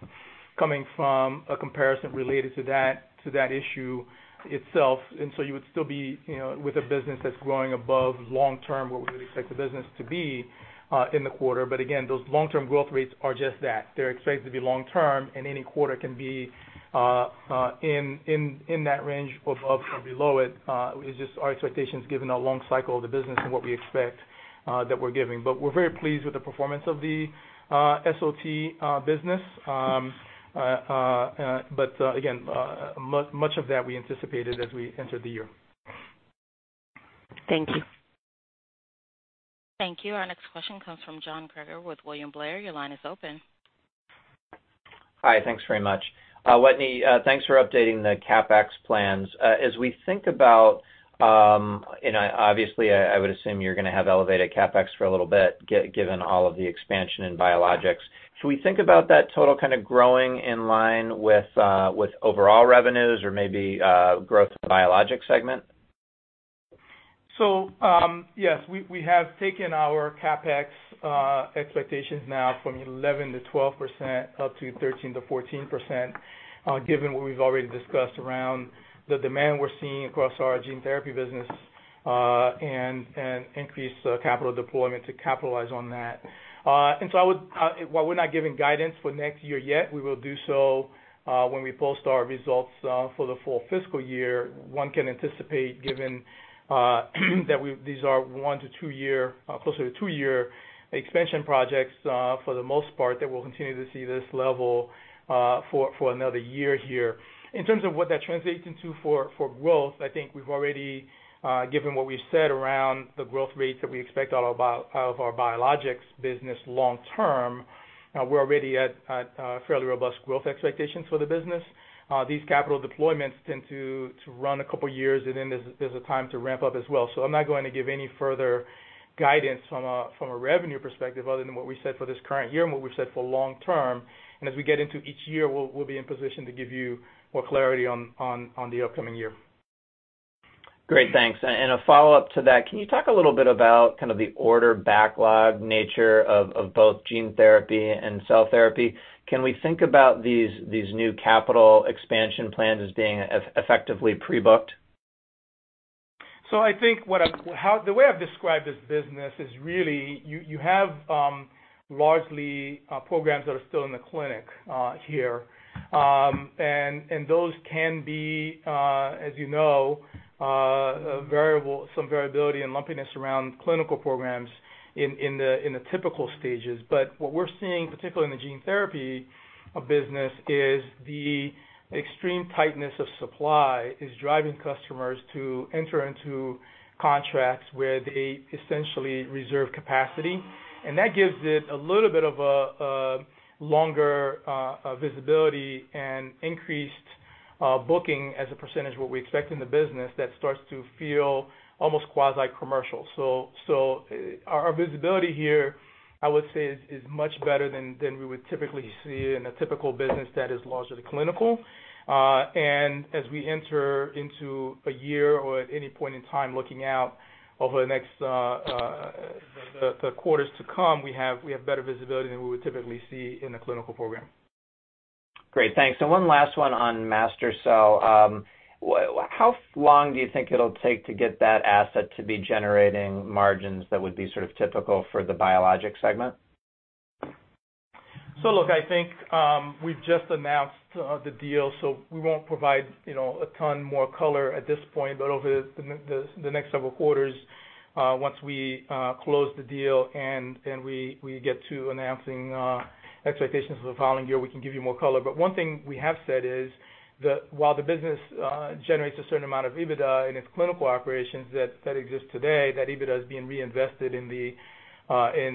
coming from a comparison related to that issue itself. And so you would still be with a business that's growing above long-term what we would expect the business to be in the quarter. But again, those long-term growth rates are just that. They're expected to be long-term, and any quarter can be in that range or below it. It's just our expectations given our long cycle of the business and what we expect that we're giving. But we're very pleased with the performance of the SOT business. But again, much of that we anticipated as we entered the year. Thank you. Thank you. Our next question comes from John Kreger with William Blair. Your line is open. Hi. Thanks very much. Wetteny, thanks for updating the CapEx plans. As we think about, and obviously, I would assume you're going to have elevated CapEx for a little bit given all of the expansion in biologics. Should we think about that total kind of growing in line with overall revenues or maybe growth of the biologic segment? So yes, we have taken our CapEx expectations now from 11%-12% up to 13%-14%, given what we've already discussed around the demand we're seeing across our gene therapy business and increased capital deployment to capitalize on that. And so while we're not giving guidance for next year yet, we will do so when we post our results for the full fiscal year. One can anticipate, given that these are one to two-year, closer to two-year expansion projects for the most part, that we'll continue to see this level for another year here. In terms of what that translates into for growth, I think we've already, given what we've said around the growth rates that we expect out of our biologics business long-term, we're already at fairly robust growth expectations for the business. These capital deployments tend to run a couple of years, and then there's a time to ramp up as well. So I'm not going to give any further guidance from a revenue perspective other than what we said for this current year and what we've said for long-term. And as we get into each year, we'll be in position to give you more clarity on the upcoming year. Great. Thanks. And a follow-up to that, can you talk a little bit about kind of the order backlog nature of both gene therapy and cell therapy? Can we think about these new capital expansion plans as being effectively pre-booked? So I think the way I've described this business is really you have largely programs that are still in the clinic here. And those can be, as you know, some variability and lumpiness around clinical programs in the typical stages. But what we're seeing, particularly in the gene therapy business, is the extreme tightness of supply is driving customers to enter into contracts where they essentially reserve capacity. And that gives it a little bit of a longer visibility and increased booking as a percentage of what we expect in the business that starts to feel almost quasi-commercial. So our visibility here, I would say, is much better than we would typically see in a typical business that is largely clinical. And as we enter into a year or at any point in time looking out over the next quarters to come, we have better visibility than we would typically see in a clinical program. Great. Thanks. And one last one on MaSTherCell. How long do you think it'll take to get that asset to be generating margins that would be sort of typical for the Biologics segment? So look, I think we've just announced the deal, so we won't provide a ton more color at this point. But over the next several quarters, once we close the deal and we get to announcing expectations for the following year, we can give you more color. But one thing we have said is that while the business generates a certain amount of EBITDA in its clinical operations that exist today, that EBITDA is being reinvested in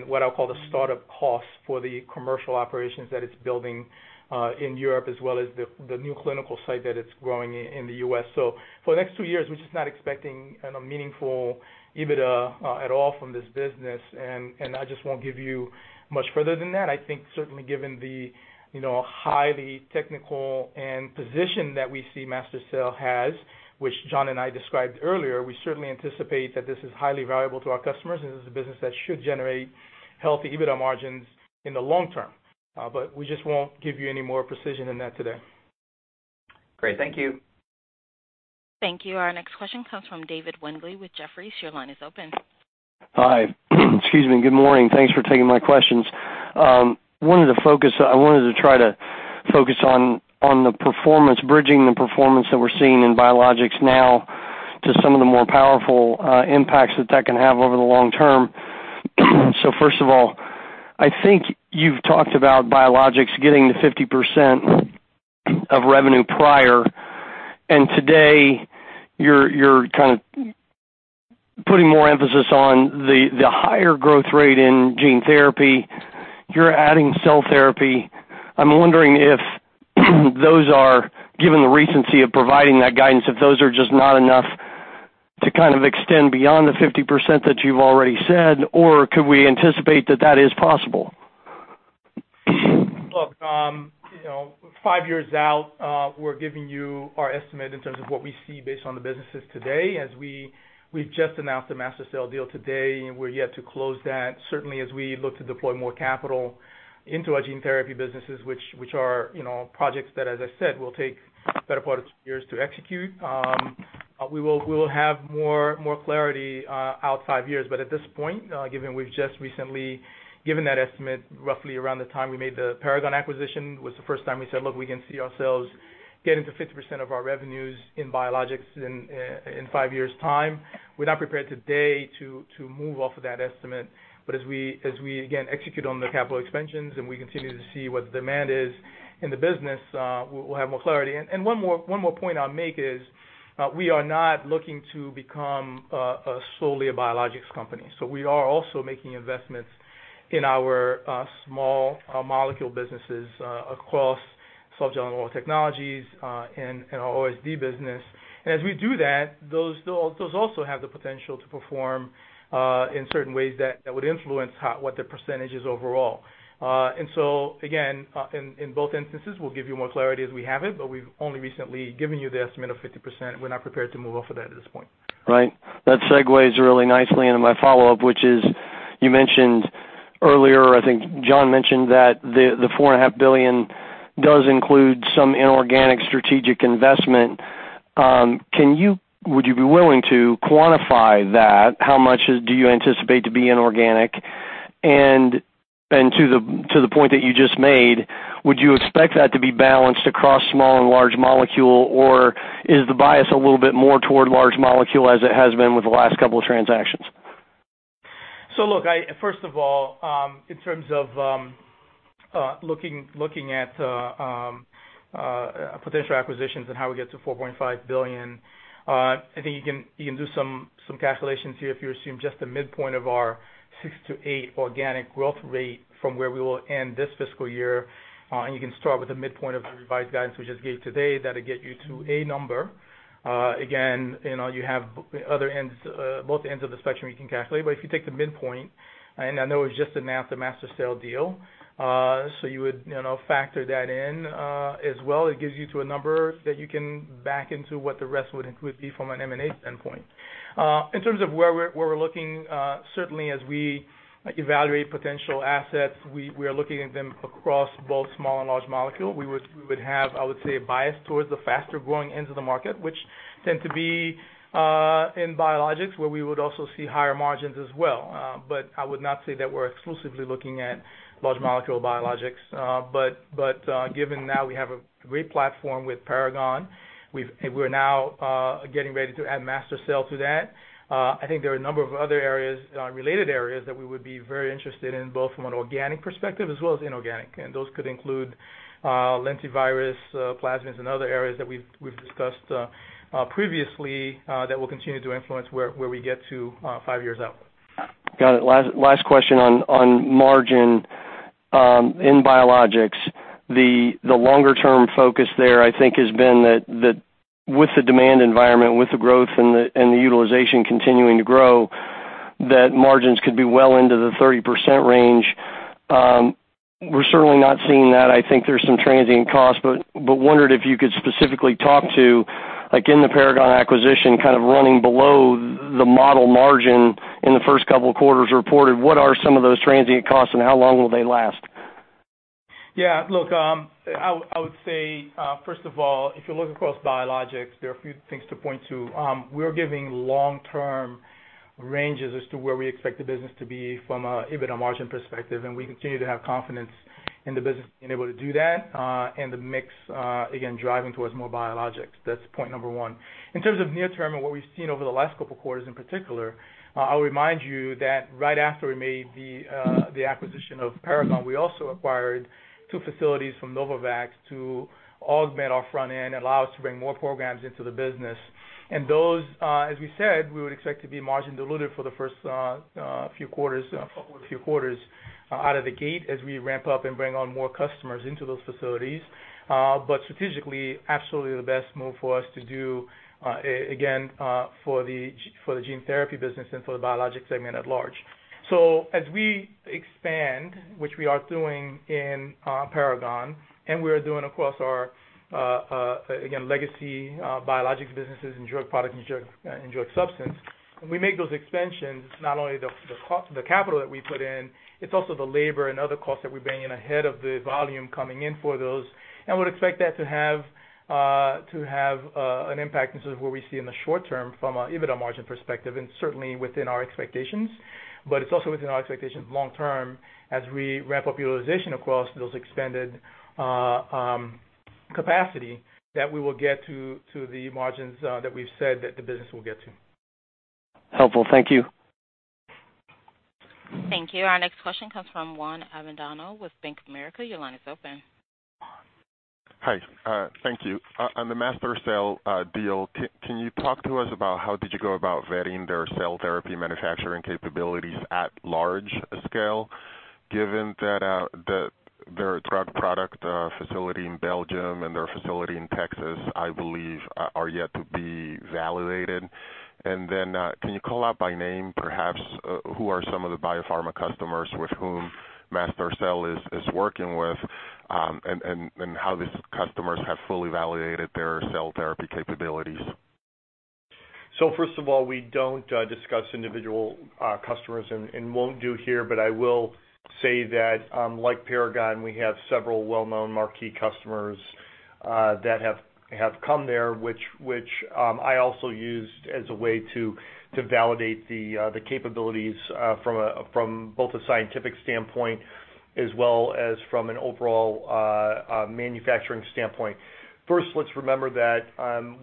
what I'll call the startup costs for the commercial operations that it's building in Europe as well as the new clinical site that it's growing in the U.S. So for the next two years, we're just not expecting a meaningful EBITDA at all from this business. And I just won't give you much further than that. I think certainly, given the highly technical and position that we see MaSTherCell has, which John and I described earlier, we certainly anticipate that this is highly valuable to our customers and is a business that should generate healthy EBITDA margins in the long term. But we just won't give you any more precision in that today. Great. Thank you. Thank you. Our next question comes from David Windley with Jefferies. Your line is open. Hi. Excuse me. Good morning. Thanks for taking my questions. I wanted to try to focus on the performance, bridging the performance that we're seeing in Biologics now to some of the more powerful impacts that that can have over the long term. So first of all, I think you've talked about Biologics getting to 50% of revenue prior. Today, you're kind of putting more emphasis on the higher growth rate in gene therapy. You're adding cell therapy. I'm wondering if those are, given the recency of providing that guidance, if those are just not enough to kind of extend beyond the 50% that you've already said, or could we anticipate that that is possible? Look, five years out, we're giving you our estimate in terms of what we see based on the businesses today. We've just announced a MaSTherCell deal today, and we're yet to close that. Certainly, as we look to deploy more capital into our gene therapy businesses, which are projects that, as I said, will take the better part of two years to execute, we will have more clarity out five years. But at this point, given we've just recently given that estimate, roughly around the time we made the Paragon acquisition was the first time we said, "Look, we can see ourselves getting to 50% of our revenues in Biologics in five years' time." We're not prepared today to move off of that estimate. But as we, again, execute on the capital expansions and we continue to see what the demand is in the business, we'll have more clarity. And one more point I'll make is we are not looking to become solely a biologics company. So we are also making investments in our small molecule businesses across Softgel and Oral Technologies and our OSD business. And as we do that, those also have the potential to perform in certain ways that would influence what the percentage is overall. And so again, in both instances, we'll give you more clarity as we have it, but we've only recently given you the estimate of 50%. We're not prepared to move off of that at this point. Right. That segues really nicely into my follow-up, which is, you mentioned earlier, I think John mentioned that the $4.5 billion does include some inorganic strategic investment. Would you be willing to quantify that? How much do you anticipate to be inorganic? And to the point that you just made, would you expect that to be balanced across small and large molecule, or is the bias a little bit more toward large molecule as it has been with the last couple of transactions? So look, first of all, in terms of looking at potential acquisitions and how we get to $4.5 billion, I think you can do some calculations here if you assume just the midpoint of our 6%-8% organic growth rate from where we will end this fiscal year. And you can start with the midpoint of the revised guidance we just gave today. That'll get you to a number. Again, you have both ends of the spectrum you can calculate. But if you take the midpoint, and I know we've just announced a MaSTherCell deal, so you would factor that in as well. It gives you to a number that you can back into what the rest would be from an M&A standpoint. In terms of where we're looking, certainly as we evaluate potential assets, we are looking at them across both small and large molecule. We would have, I would say, a bias towards the faster growing ends of the market, which tend to be in Biologics where we would also see higher margins as well. But I would not say that we're exclusively looking at large molecule biologics. But given now we have a great platform with Paragon, we're now getting ready to add MaSTherCell to that. I think there are a number of other related areas that we would be very interested in both from an organic perspective as well as inorganic. And those could include lentivirus, plasmids, and other areas that we've discussed previously that will continue to influence where we get to five years out. Got it. Last question on margin in Biologics. The longer-term focus there, I think, has been that with the demand environment, with the growth and the utilization continuing to grow, that margins could be well into the 30% range. We're certainly not seeing that. I think there's some transient costs. But wondered if you could specifically talk to, in the Paragon acquisition, kind of running below the model margin in the first couple of quarters reported, what are some of those transient costs and how long will they last? Yeah. Look, I would say, first of all, if you look across Biologics, there are a few things to point to. We're giving long-term ranges as to where we expect the business to be from an EBITDA margin perspective, and we continue to have confidence in the business being able to do that and the mix, again, driving towards more biologics. That's point number one. In terms of near-term and what we've seen over the last couple of quarters in particular, I'll remind you that right after we made the acquisition of Paragon, we also acquired two facilities from Novavax to augment our front end and allow us to bring more programs into the business. And those, as we said, we would expect to be margin-diluted for the first few quarters out of the gate as we ramp up and bring on more customers into those facilities. But strategically, absolutely the best move for us to do, again, for the gene therapy business and for the Biologics segment at large. So as we expand, which we are doing in Paragon, and we are doing across our, again, legacy Biologics businesses and drug products and drug substance, we make those expansions, not only the capital that we put in, it's also the labor and other costs that we bring in ahead of the volume coming in for those. And we'd expect that to have an impact in terms of what we see in the short term from an EBITDA margin perspective and certainly within our expectations. But it's also within our expectations long term as we ramp up utilization across those expanded capacity that we will get to the margins that we've said that the business will get to. Helpful. Thank you. Thank you. Our next question comes from Juan Avendano with Bank of America. Your line is open. Hi. Thank you. On the MaSTherCell deal, can you talk to us about how did you go about vetting their cell therapy manufacturing capabilities at large scale, given that their drug product facility in Belgium and their facility in Texas, I believe, are yet to be validated? And then can you call out by name, perhaps, who are some of the biopharma customers with whom MaSTherCell is working with and how these customers have fully validated their cell therapy capabilities? So first of all, we don't discuss individual customers and won't do here. But I will say that, like Paragon, we have several well-known marquee customers that have come there, which I also used as a way to validate the capabilities from both a scientific standpoint as well as from an overall manufacturing standpoint. First, let's remember that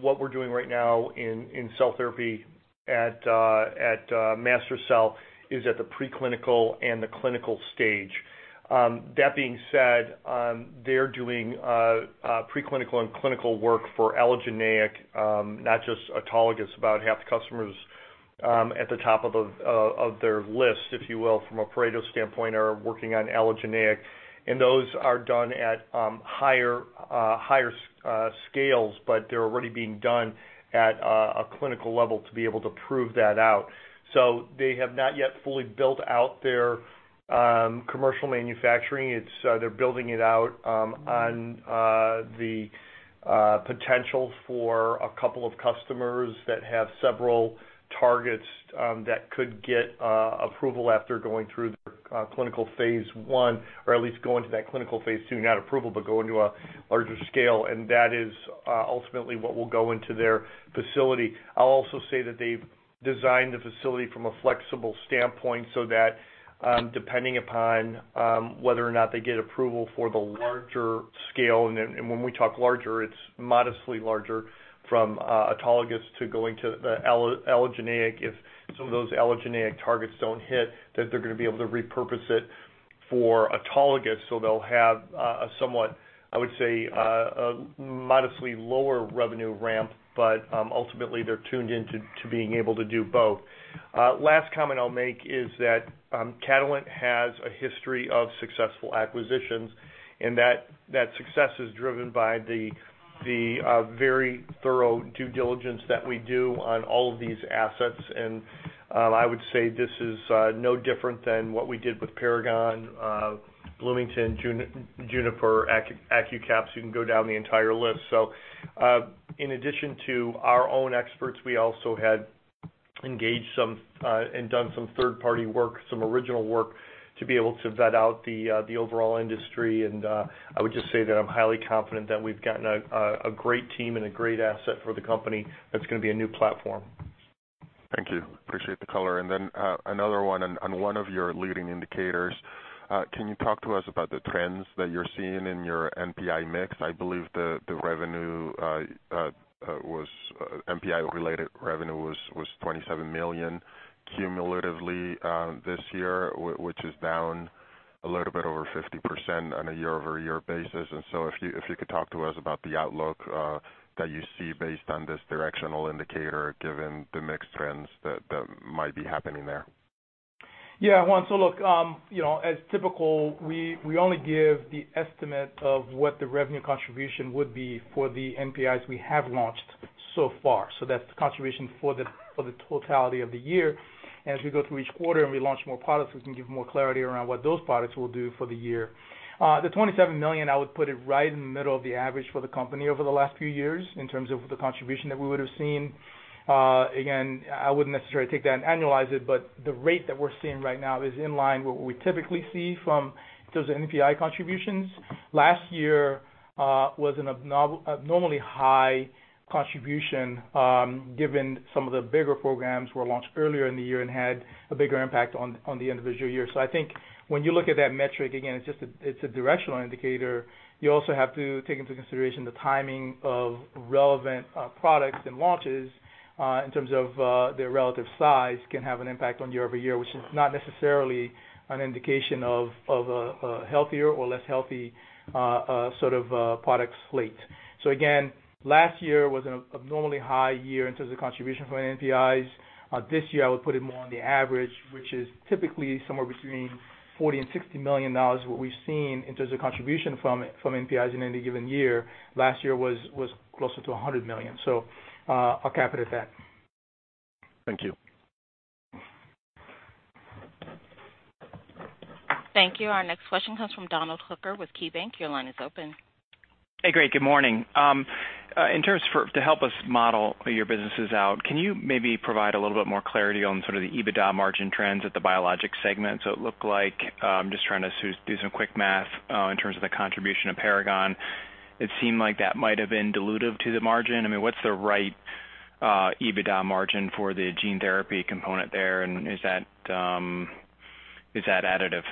what we're doing right now in cell therapy at MaSTherCell is at the preclinical and the clinical stage. That being said, they're doing preclinical and clinical work for allogeneic, not just autologous. About half the customers at the top of their list, if you will, from a operator standpoint, are working on allogeneic. And those are done at higher scales, but they're already being done at a clinical level to be able to prove that out. So they have not yet fully built out their commercial manufacturing. They're building it out on the potential for a couple of customers that have several targets that could get approval after going through their clinical phase I or at least going to that clinical phase II, not approval, but going to a larger scale. And that is ultimately what will go into their facility. I'll also say that they've designed the facility from a flexible standpoint so that, depending upon whether or not they get approval for the larger scale (and when we talk larger, it's modestly larger) from autologous to going to the allogeneic, if some of those allogeneic targets don't hit, that they're going to be able to repurpose it for autologous. So they'll have a somewhat, I would say, a modestly lower revenue ramp, but ultimately, they're tuned into being able to do both. Last comment I'll make is that Catalent has a history of successful acquisitions, and that success is driven by the very thorough due diligence that we do on all of these assets. And I would say this is no different than what we did with Paragon, Bloomington, Juniper, Accucaps. You can go down the entire list. So in addition to our own experts, we also had engaged some and done some third-party work, some original work to be able to vet out the overall industry. And I would just say that I'm highly confident that we've gotten a great team and a great asset for the company that's going to be a new platform. Thank you. Appreciate the color. And then another one on one of your leading indicators. Can you talk to us about the trends that you're seeing in your NPI mix? I believe the revenue was NPI-related revenue was $27 million cumulatively this year, which is down a little bit over 50% on a year-over-year basis. And so if you could talk to us about the outlook that you see based on this directional indicator, given the mixed trends that might be happening there. Yeah. So look, as typical, we only give the estimate of what the revenue contribution would be for the NPIs we have launched so far. So that's the contribution for the totality of the year. And as we go through each quarter and we launch more products, we can give more clarity around what those products will do for the year. The $27 million, I would put it right in the middle of the average for the company over the last few years in terms of the contribution that we would have seen. Again, I wouldn't necessarily take that and annualize it, but the rate that we're seeing right now is in line with what we typically see from those NPI contributions. Last year was an abnormally high contribution given some of the bigger programs were launched earlier in the year and had a bigger impact on the individual year. So I think when you look at that metric, again, it's a directional indicator. You also have to take into consideration the timing of relevant products and launches in terms of their relative size, can have an impact on year-over-year, which is not necessarily an indication of a healthier or less healthy sort of product slate. So again, last year was an abnormally high year in terms of contribution from NPIs. This year, I would put it more on the average, which is typically somewhere between $40 million and $60 million, what we've seen in terms of contribution from NPIs in any given year. Last year was closer to $100 million. So I'll cap it at that. Thank you. Thank you. Our next question comes from Donald Hooker with KeyBanc. Your line is open. Hey, great. Good morning. In terms of to help us model your businesses out, can you maybe provide a little bit more clarity on sort of the EBITDA margin trends at the Biologics segment? So it looked like I'm just trying to do some quick math in terms of the contribution of Paragon. It seemed like that might have been dilutive to the margin. I mean, what's the right EBITDA margin for the gene therapy component there, and is that additive?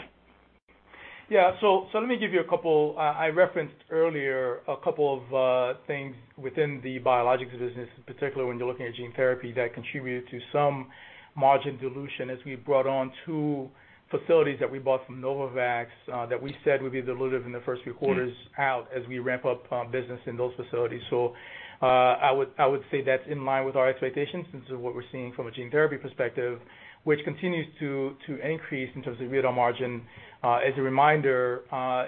Yeah. So let me give you a couple I referenced earlier a couple of things within the Biologics business, particularly when you're looking at gene therapy, that contribute to some margin dilution as we brought on two facilities that we bought from Novavax that we said would be diluted in the first few quarters out as we ramp up business in those facilities. So I would say that's in line with our expectations in terms of what we're seeing from a gene therapy perspective, which continues to increase in terms of EBITDA margin. As a reminder,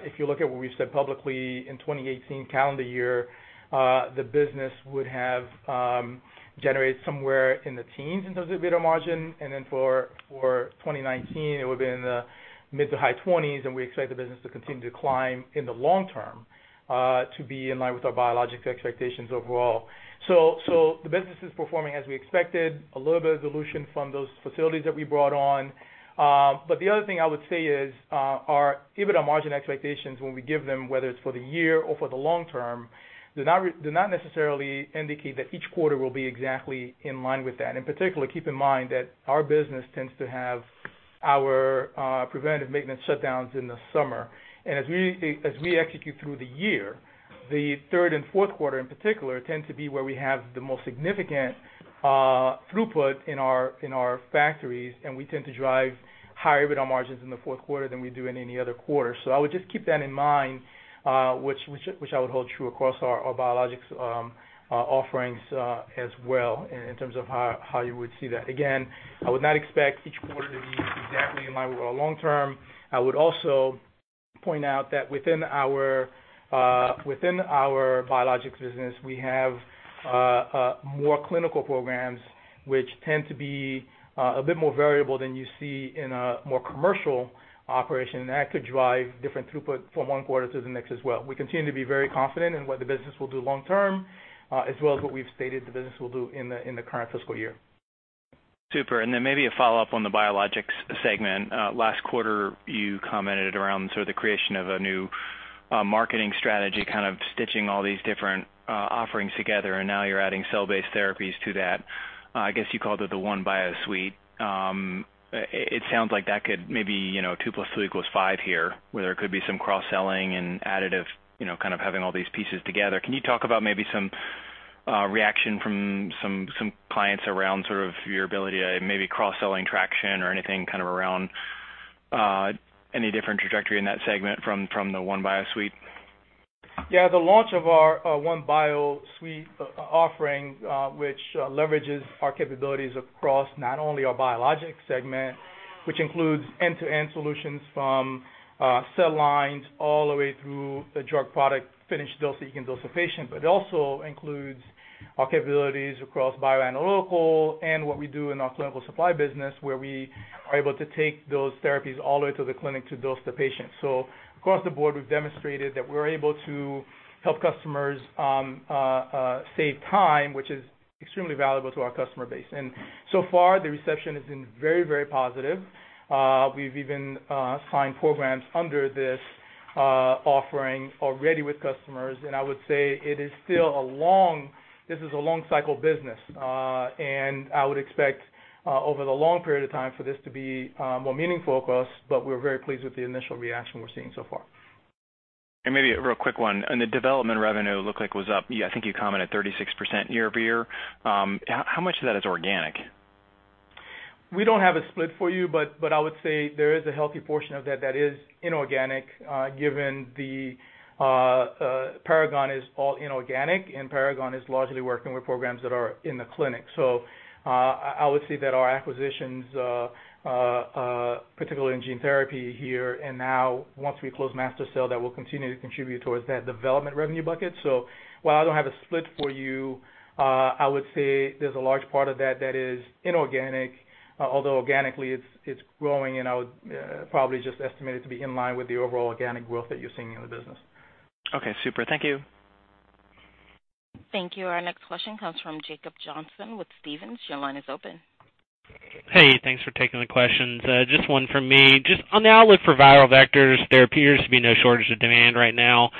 if you look at what we've said publicly in 2018 calendar year, the business would have generated somewhere in the teens in terms of EBITDA margin. And then for 2019, it would have been in the mid to high 20s. And we expect the business to continue to climb in the long term to be in line with our biologics expectations overall. So the business is performing as we expected, a little bit of dilution from those facilities that we brought on. But the other thing I would say is our EBITDA margin expectations when we give them, whether it's for the year or for the long term, do not necessarily indicate that each quarter will be exactly in line with that. In particular, keep in mind that our business tends to have our preventative maintenance shutdowns in the summer. And as we execute through the year, the third and fourth quarter in particular tend to be where we have the most significant throughput in our factories. And we tend to drive higher EBITDA margins in the fourth quarter than we do in any other quarter. So I would just keep that in mind, which I would hold true across our biologics offerings as well in terms of how you would see that. Again, I would not expect each quarter to be exactly in line with our long term. I would also point out that within our biologics business, we have more clinical programs, which tend to be a bit more variable than you see in a more commercial operation. And that could drive different throughput from one quarter to the next as well. We continue to be very confident in what the business will do long term as well as what we've stated the business will do in the current fiscal year. Super. And then maybe a follow-up on the biologics segment. Last quarter, you commented around sort of the creation of a new marketing strategy, kind of stitching all these different offerings together. And now you're adding cell-based therapies to that. I guess you called it the OneBio Suite. It sounds like that could maybe two plus two equals five here, where there could be some cross-selling and additive kind of having all these pieces together. Can you talk about maybe some reaction from some clients around sort of your ability to maybe cross-selling traction or anything kind of around any different trajectory in that segment from the OneBio Suite? Yeah. The launch of our OneBio Suite offering, which leverages our capabilities across not only our Biologics segment, which includes end-to-end solutions from cell lines all the way through the drug product finished dose that you can dose to patient, but it also includes our capabilities across bioanalytical and what we do in our clinical supply business, where we are able to take those therapies all the way to the clinic to dose to patient. So across the board, we've demonstrated that we're able to help customers save time, which is extremely valuable to our customer base. And so far, the reception has been very, very positive. We've even signed programs under this offering already with customers. I would say it is still a long-cycle business. I would expect over the long period of time for this to be more meaningful for us. But we're very pleased with the initial reaction we're seeing so far. Maybe a real quick one. The development revenue looked like was up. I think you commented 36% year-over-year. How much of that is organic? We don't have a split for you, but I would say there is a healthy portion of that that is inorganic given the Paragon is all inorganic and Paragon is largely working with programs that are in the clinic. I would say that our acquisitions, particularly in gene therapy here and now, once we close MaSTherCell, that will continue to contribute towards that development revenue bucket. So while I don't have a split for you, I would say there's a large part of that that is inorganic, although organically, it's growing and I would probably just estimate it to be in line with the overall organic growth that you're seeing in the business. Okay. Super. Thank you. Thank you. Our next question comes from Jacob Johnson with Stephens. Your line is open. Hey. Thanks for taking the questions. Just one from me. Just on the outlook for viral vectors, there appears to be no shortage of demand right now.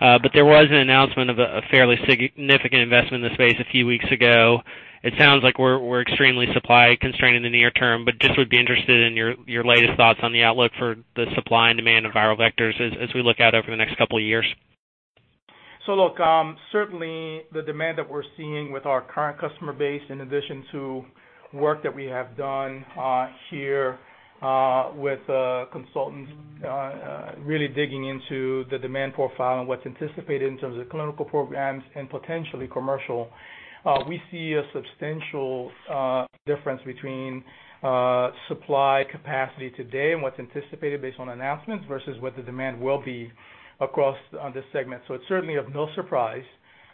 But there was an announcement of a fairly significant investment in the space a few weeks ago. It sounds like we're extremely supply-constrained in the near term, but just would be interested in your latest thoughts on the outlook for the supply and demand of viral vectors as we look out over the next couple of years. So look, certainly, the demand that we're seeing with our current customer base, in addition to work that we have done here with consultants really digging into the demand profile and what's anticipated in terms of clinical programs and potentially commercial. We see a substantial difference between supply capacity today and what's anticipated based on announcements versus what the demand will be across this segment. So it's certainly of no surprise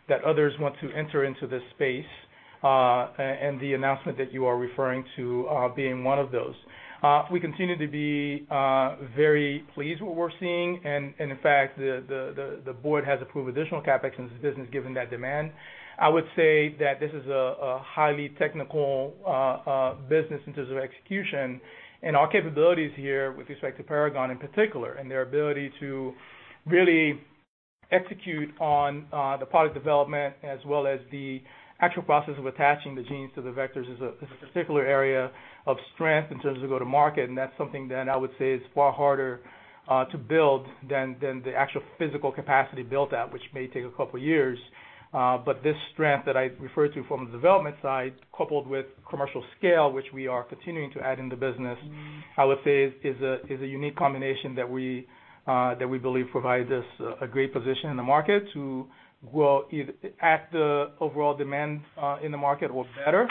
that others want to enter into this space, and the announcement that you are referring to being one of those. We continue to be very pleased with what we're seeing. And in fact, the board has approved additional CapEx in this business given that demand. I would say that this is a highly technical business in terms of execution and our capabilities here with respect to Paragon in particular and their ability to really execute on the product development as well as the actual process of attaching the genes to the vectors is a particular area of strength in terms of go-to-market. And that's something that I would say is far harder to build than the actual physical capacity built out, which may take a couple of years. But this strength that I referred to from the development side, coupled with commercial scale, which we are continuing to add in the business, I would say is a unique combination that we believe provides us a great position in the market to grow at the overall demand in the market or better.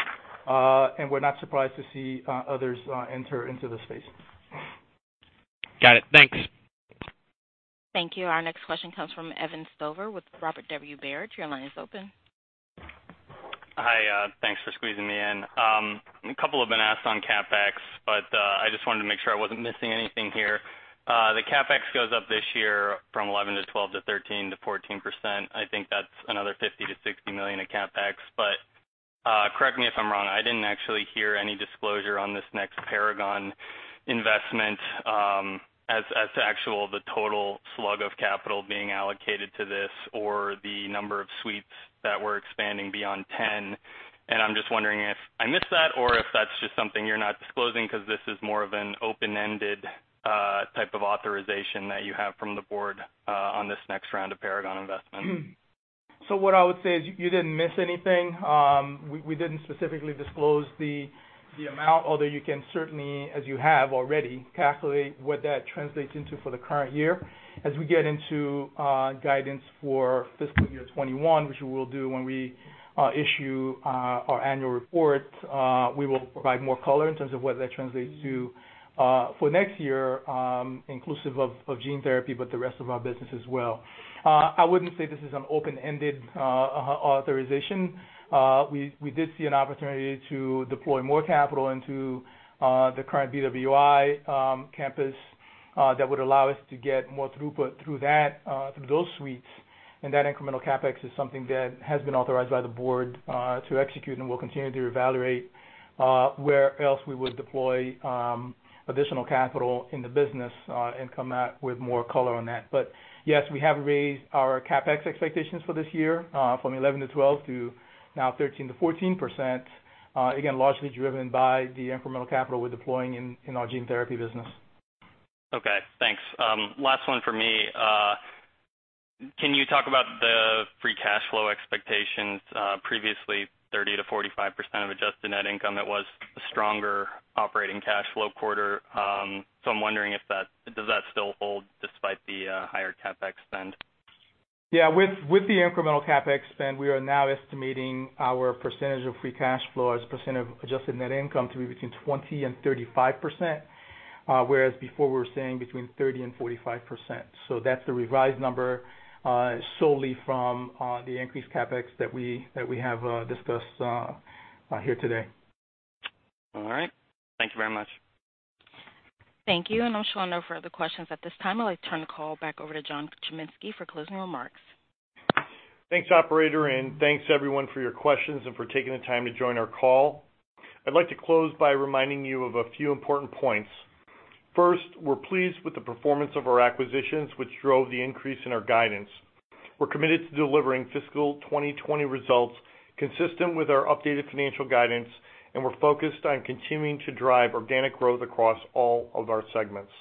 And we're not surprised to see others enter into the space. Got it. Thanks. Thank you. Our next question comes from Evan Stover with Robert W. Baird. Your line is open. Hi. Thanks for squeezing me in. A couple have been asked on CapEx, but I just wanted to make sure I wasn't missing anything here. The CapEx goes up this year from 11% to 12% to 13% to 14%. I think that's another $50 million-$60 million in CapEx. But correct me if I'm wrong. I didn't actually hear any disclosure on this next Paragon investment as to actual the total slug of capital being allocated to this or the number of suites that we're expanding beyond 10. And I'm just wondering if I missed that or if that's just something you're not disclosing because this is more of an open-ended type of authorization that you have from the board on this next round of Paragon investment. So what I would say is you didn't miss anything. We didn't specifically disclose the amount, although you can certainly, as you have already, calculate what that translates into for the current year. As we get into guidance for fiscal year 2021, which we will do when we issue our annual report, we will provide more color in terms of what that translates to for next year, inclusive of gene therapy, but the rest of our business as well. I wouldn't say this is an open-ended authorization. We did see an opportunity to deploy more capital into the current BWI campus that would allow us to get more throughput through those suites. And that incremental CapEx is something that has been authorized by the board to execute and will continue to evaluate where else we would deploy additional capital in the business and come out with more color on that. But yes, we have raised our CapEx expectations for this year from 11% to 12% to now 13% to 14%, again, largely driven by the incremental capital we're deploying in our gene therapy business. Okay. Thanks. Last one for me. Can you talk about the free cash flow expectations? Previously, 30% to 45% of adjusted net income. It was a stronger operating cash flow quarter. So I'm wondering if that still hold despite the higher CapEx spend? Yeah. With the incremental CapEx spend, we are now estimating our percentage of free cash flow as a percent of adjusted net income to be between 20% and 35%, whereas before we were seeing between 30% and 45%. So that's the revised number solely from the increased CapEx that we have discussed here today. All right. Thank you very much. Thank you. And I'm sure no further questions at this time. I'd like to turn the call back over to John Chiminski for closing remarks. Thanks, operator. And thanks, everyone, for your questions and for taking the time to join our call. I'd like to close by reminding you of a few important points. First, we're pleased with the performance of our acquisitions, which drove the increase in our guidance. We're committed to delivering fiscal 2020 results consistent with our updated financial guidance, and we're focused on continuing to drive organic growth across all of our segments.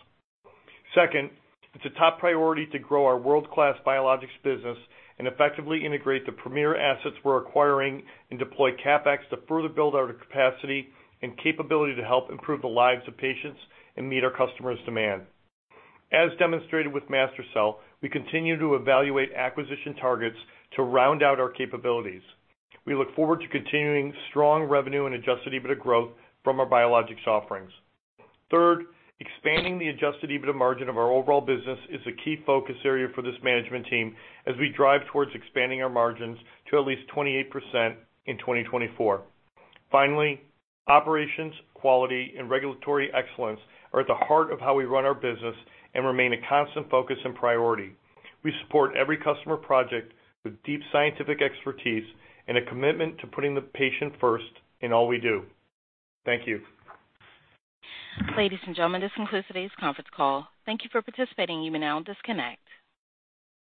Second, it's a top priority to grow our world-class biologics business and effectively integrate the premier assets we're acquiring and deploy CapEx to further build our capacity and capability to help improve the lives of patients and meet our customers' demand. As demonstrated with MaSTherCell, we continue to evaluate acquisition targets to round out our capabilities. We look forward to continuing strong revenue and adjusted EBITDA growth from our biologics offerings. Third, expanding the adjusted EBITDA margin of our overall business is a key focus area for this management team as we drive towards expanding our margins to at least 28% in 2024. Finally, operations, quality, and regulatory excellence are at the heart of how we run our business and remain a constant focus and priority. We support every customer project with deep scientific expertise and a commitment to putting the patient first in all we do. Thank you. Ladies and gentlemen, this concludes today's conference call. Thank you for participating. You may now disconnect.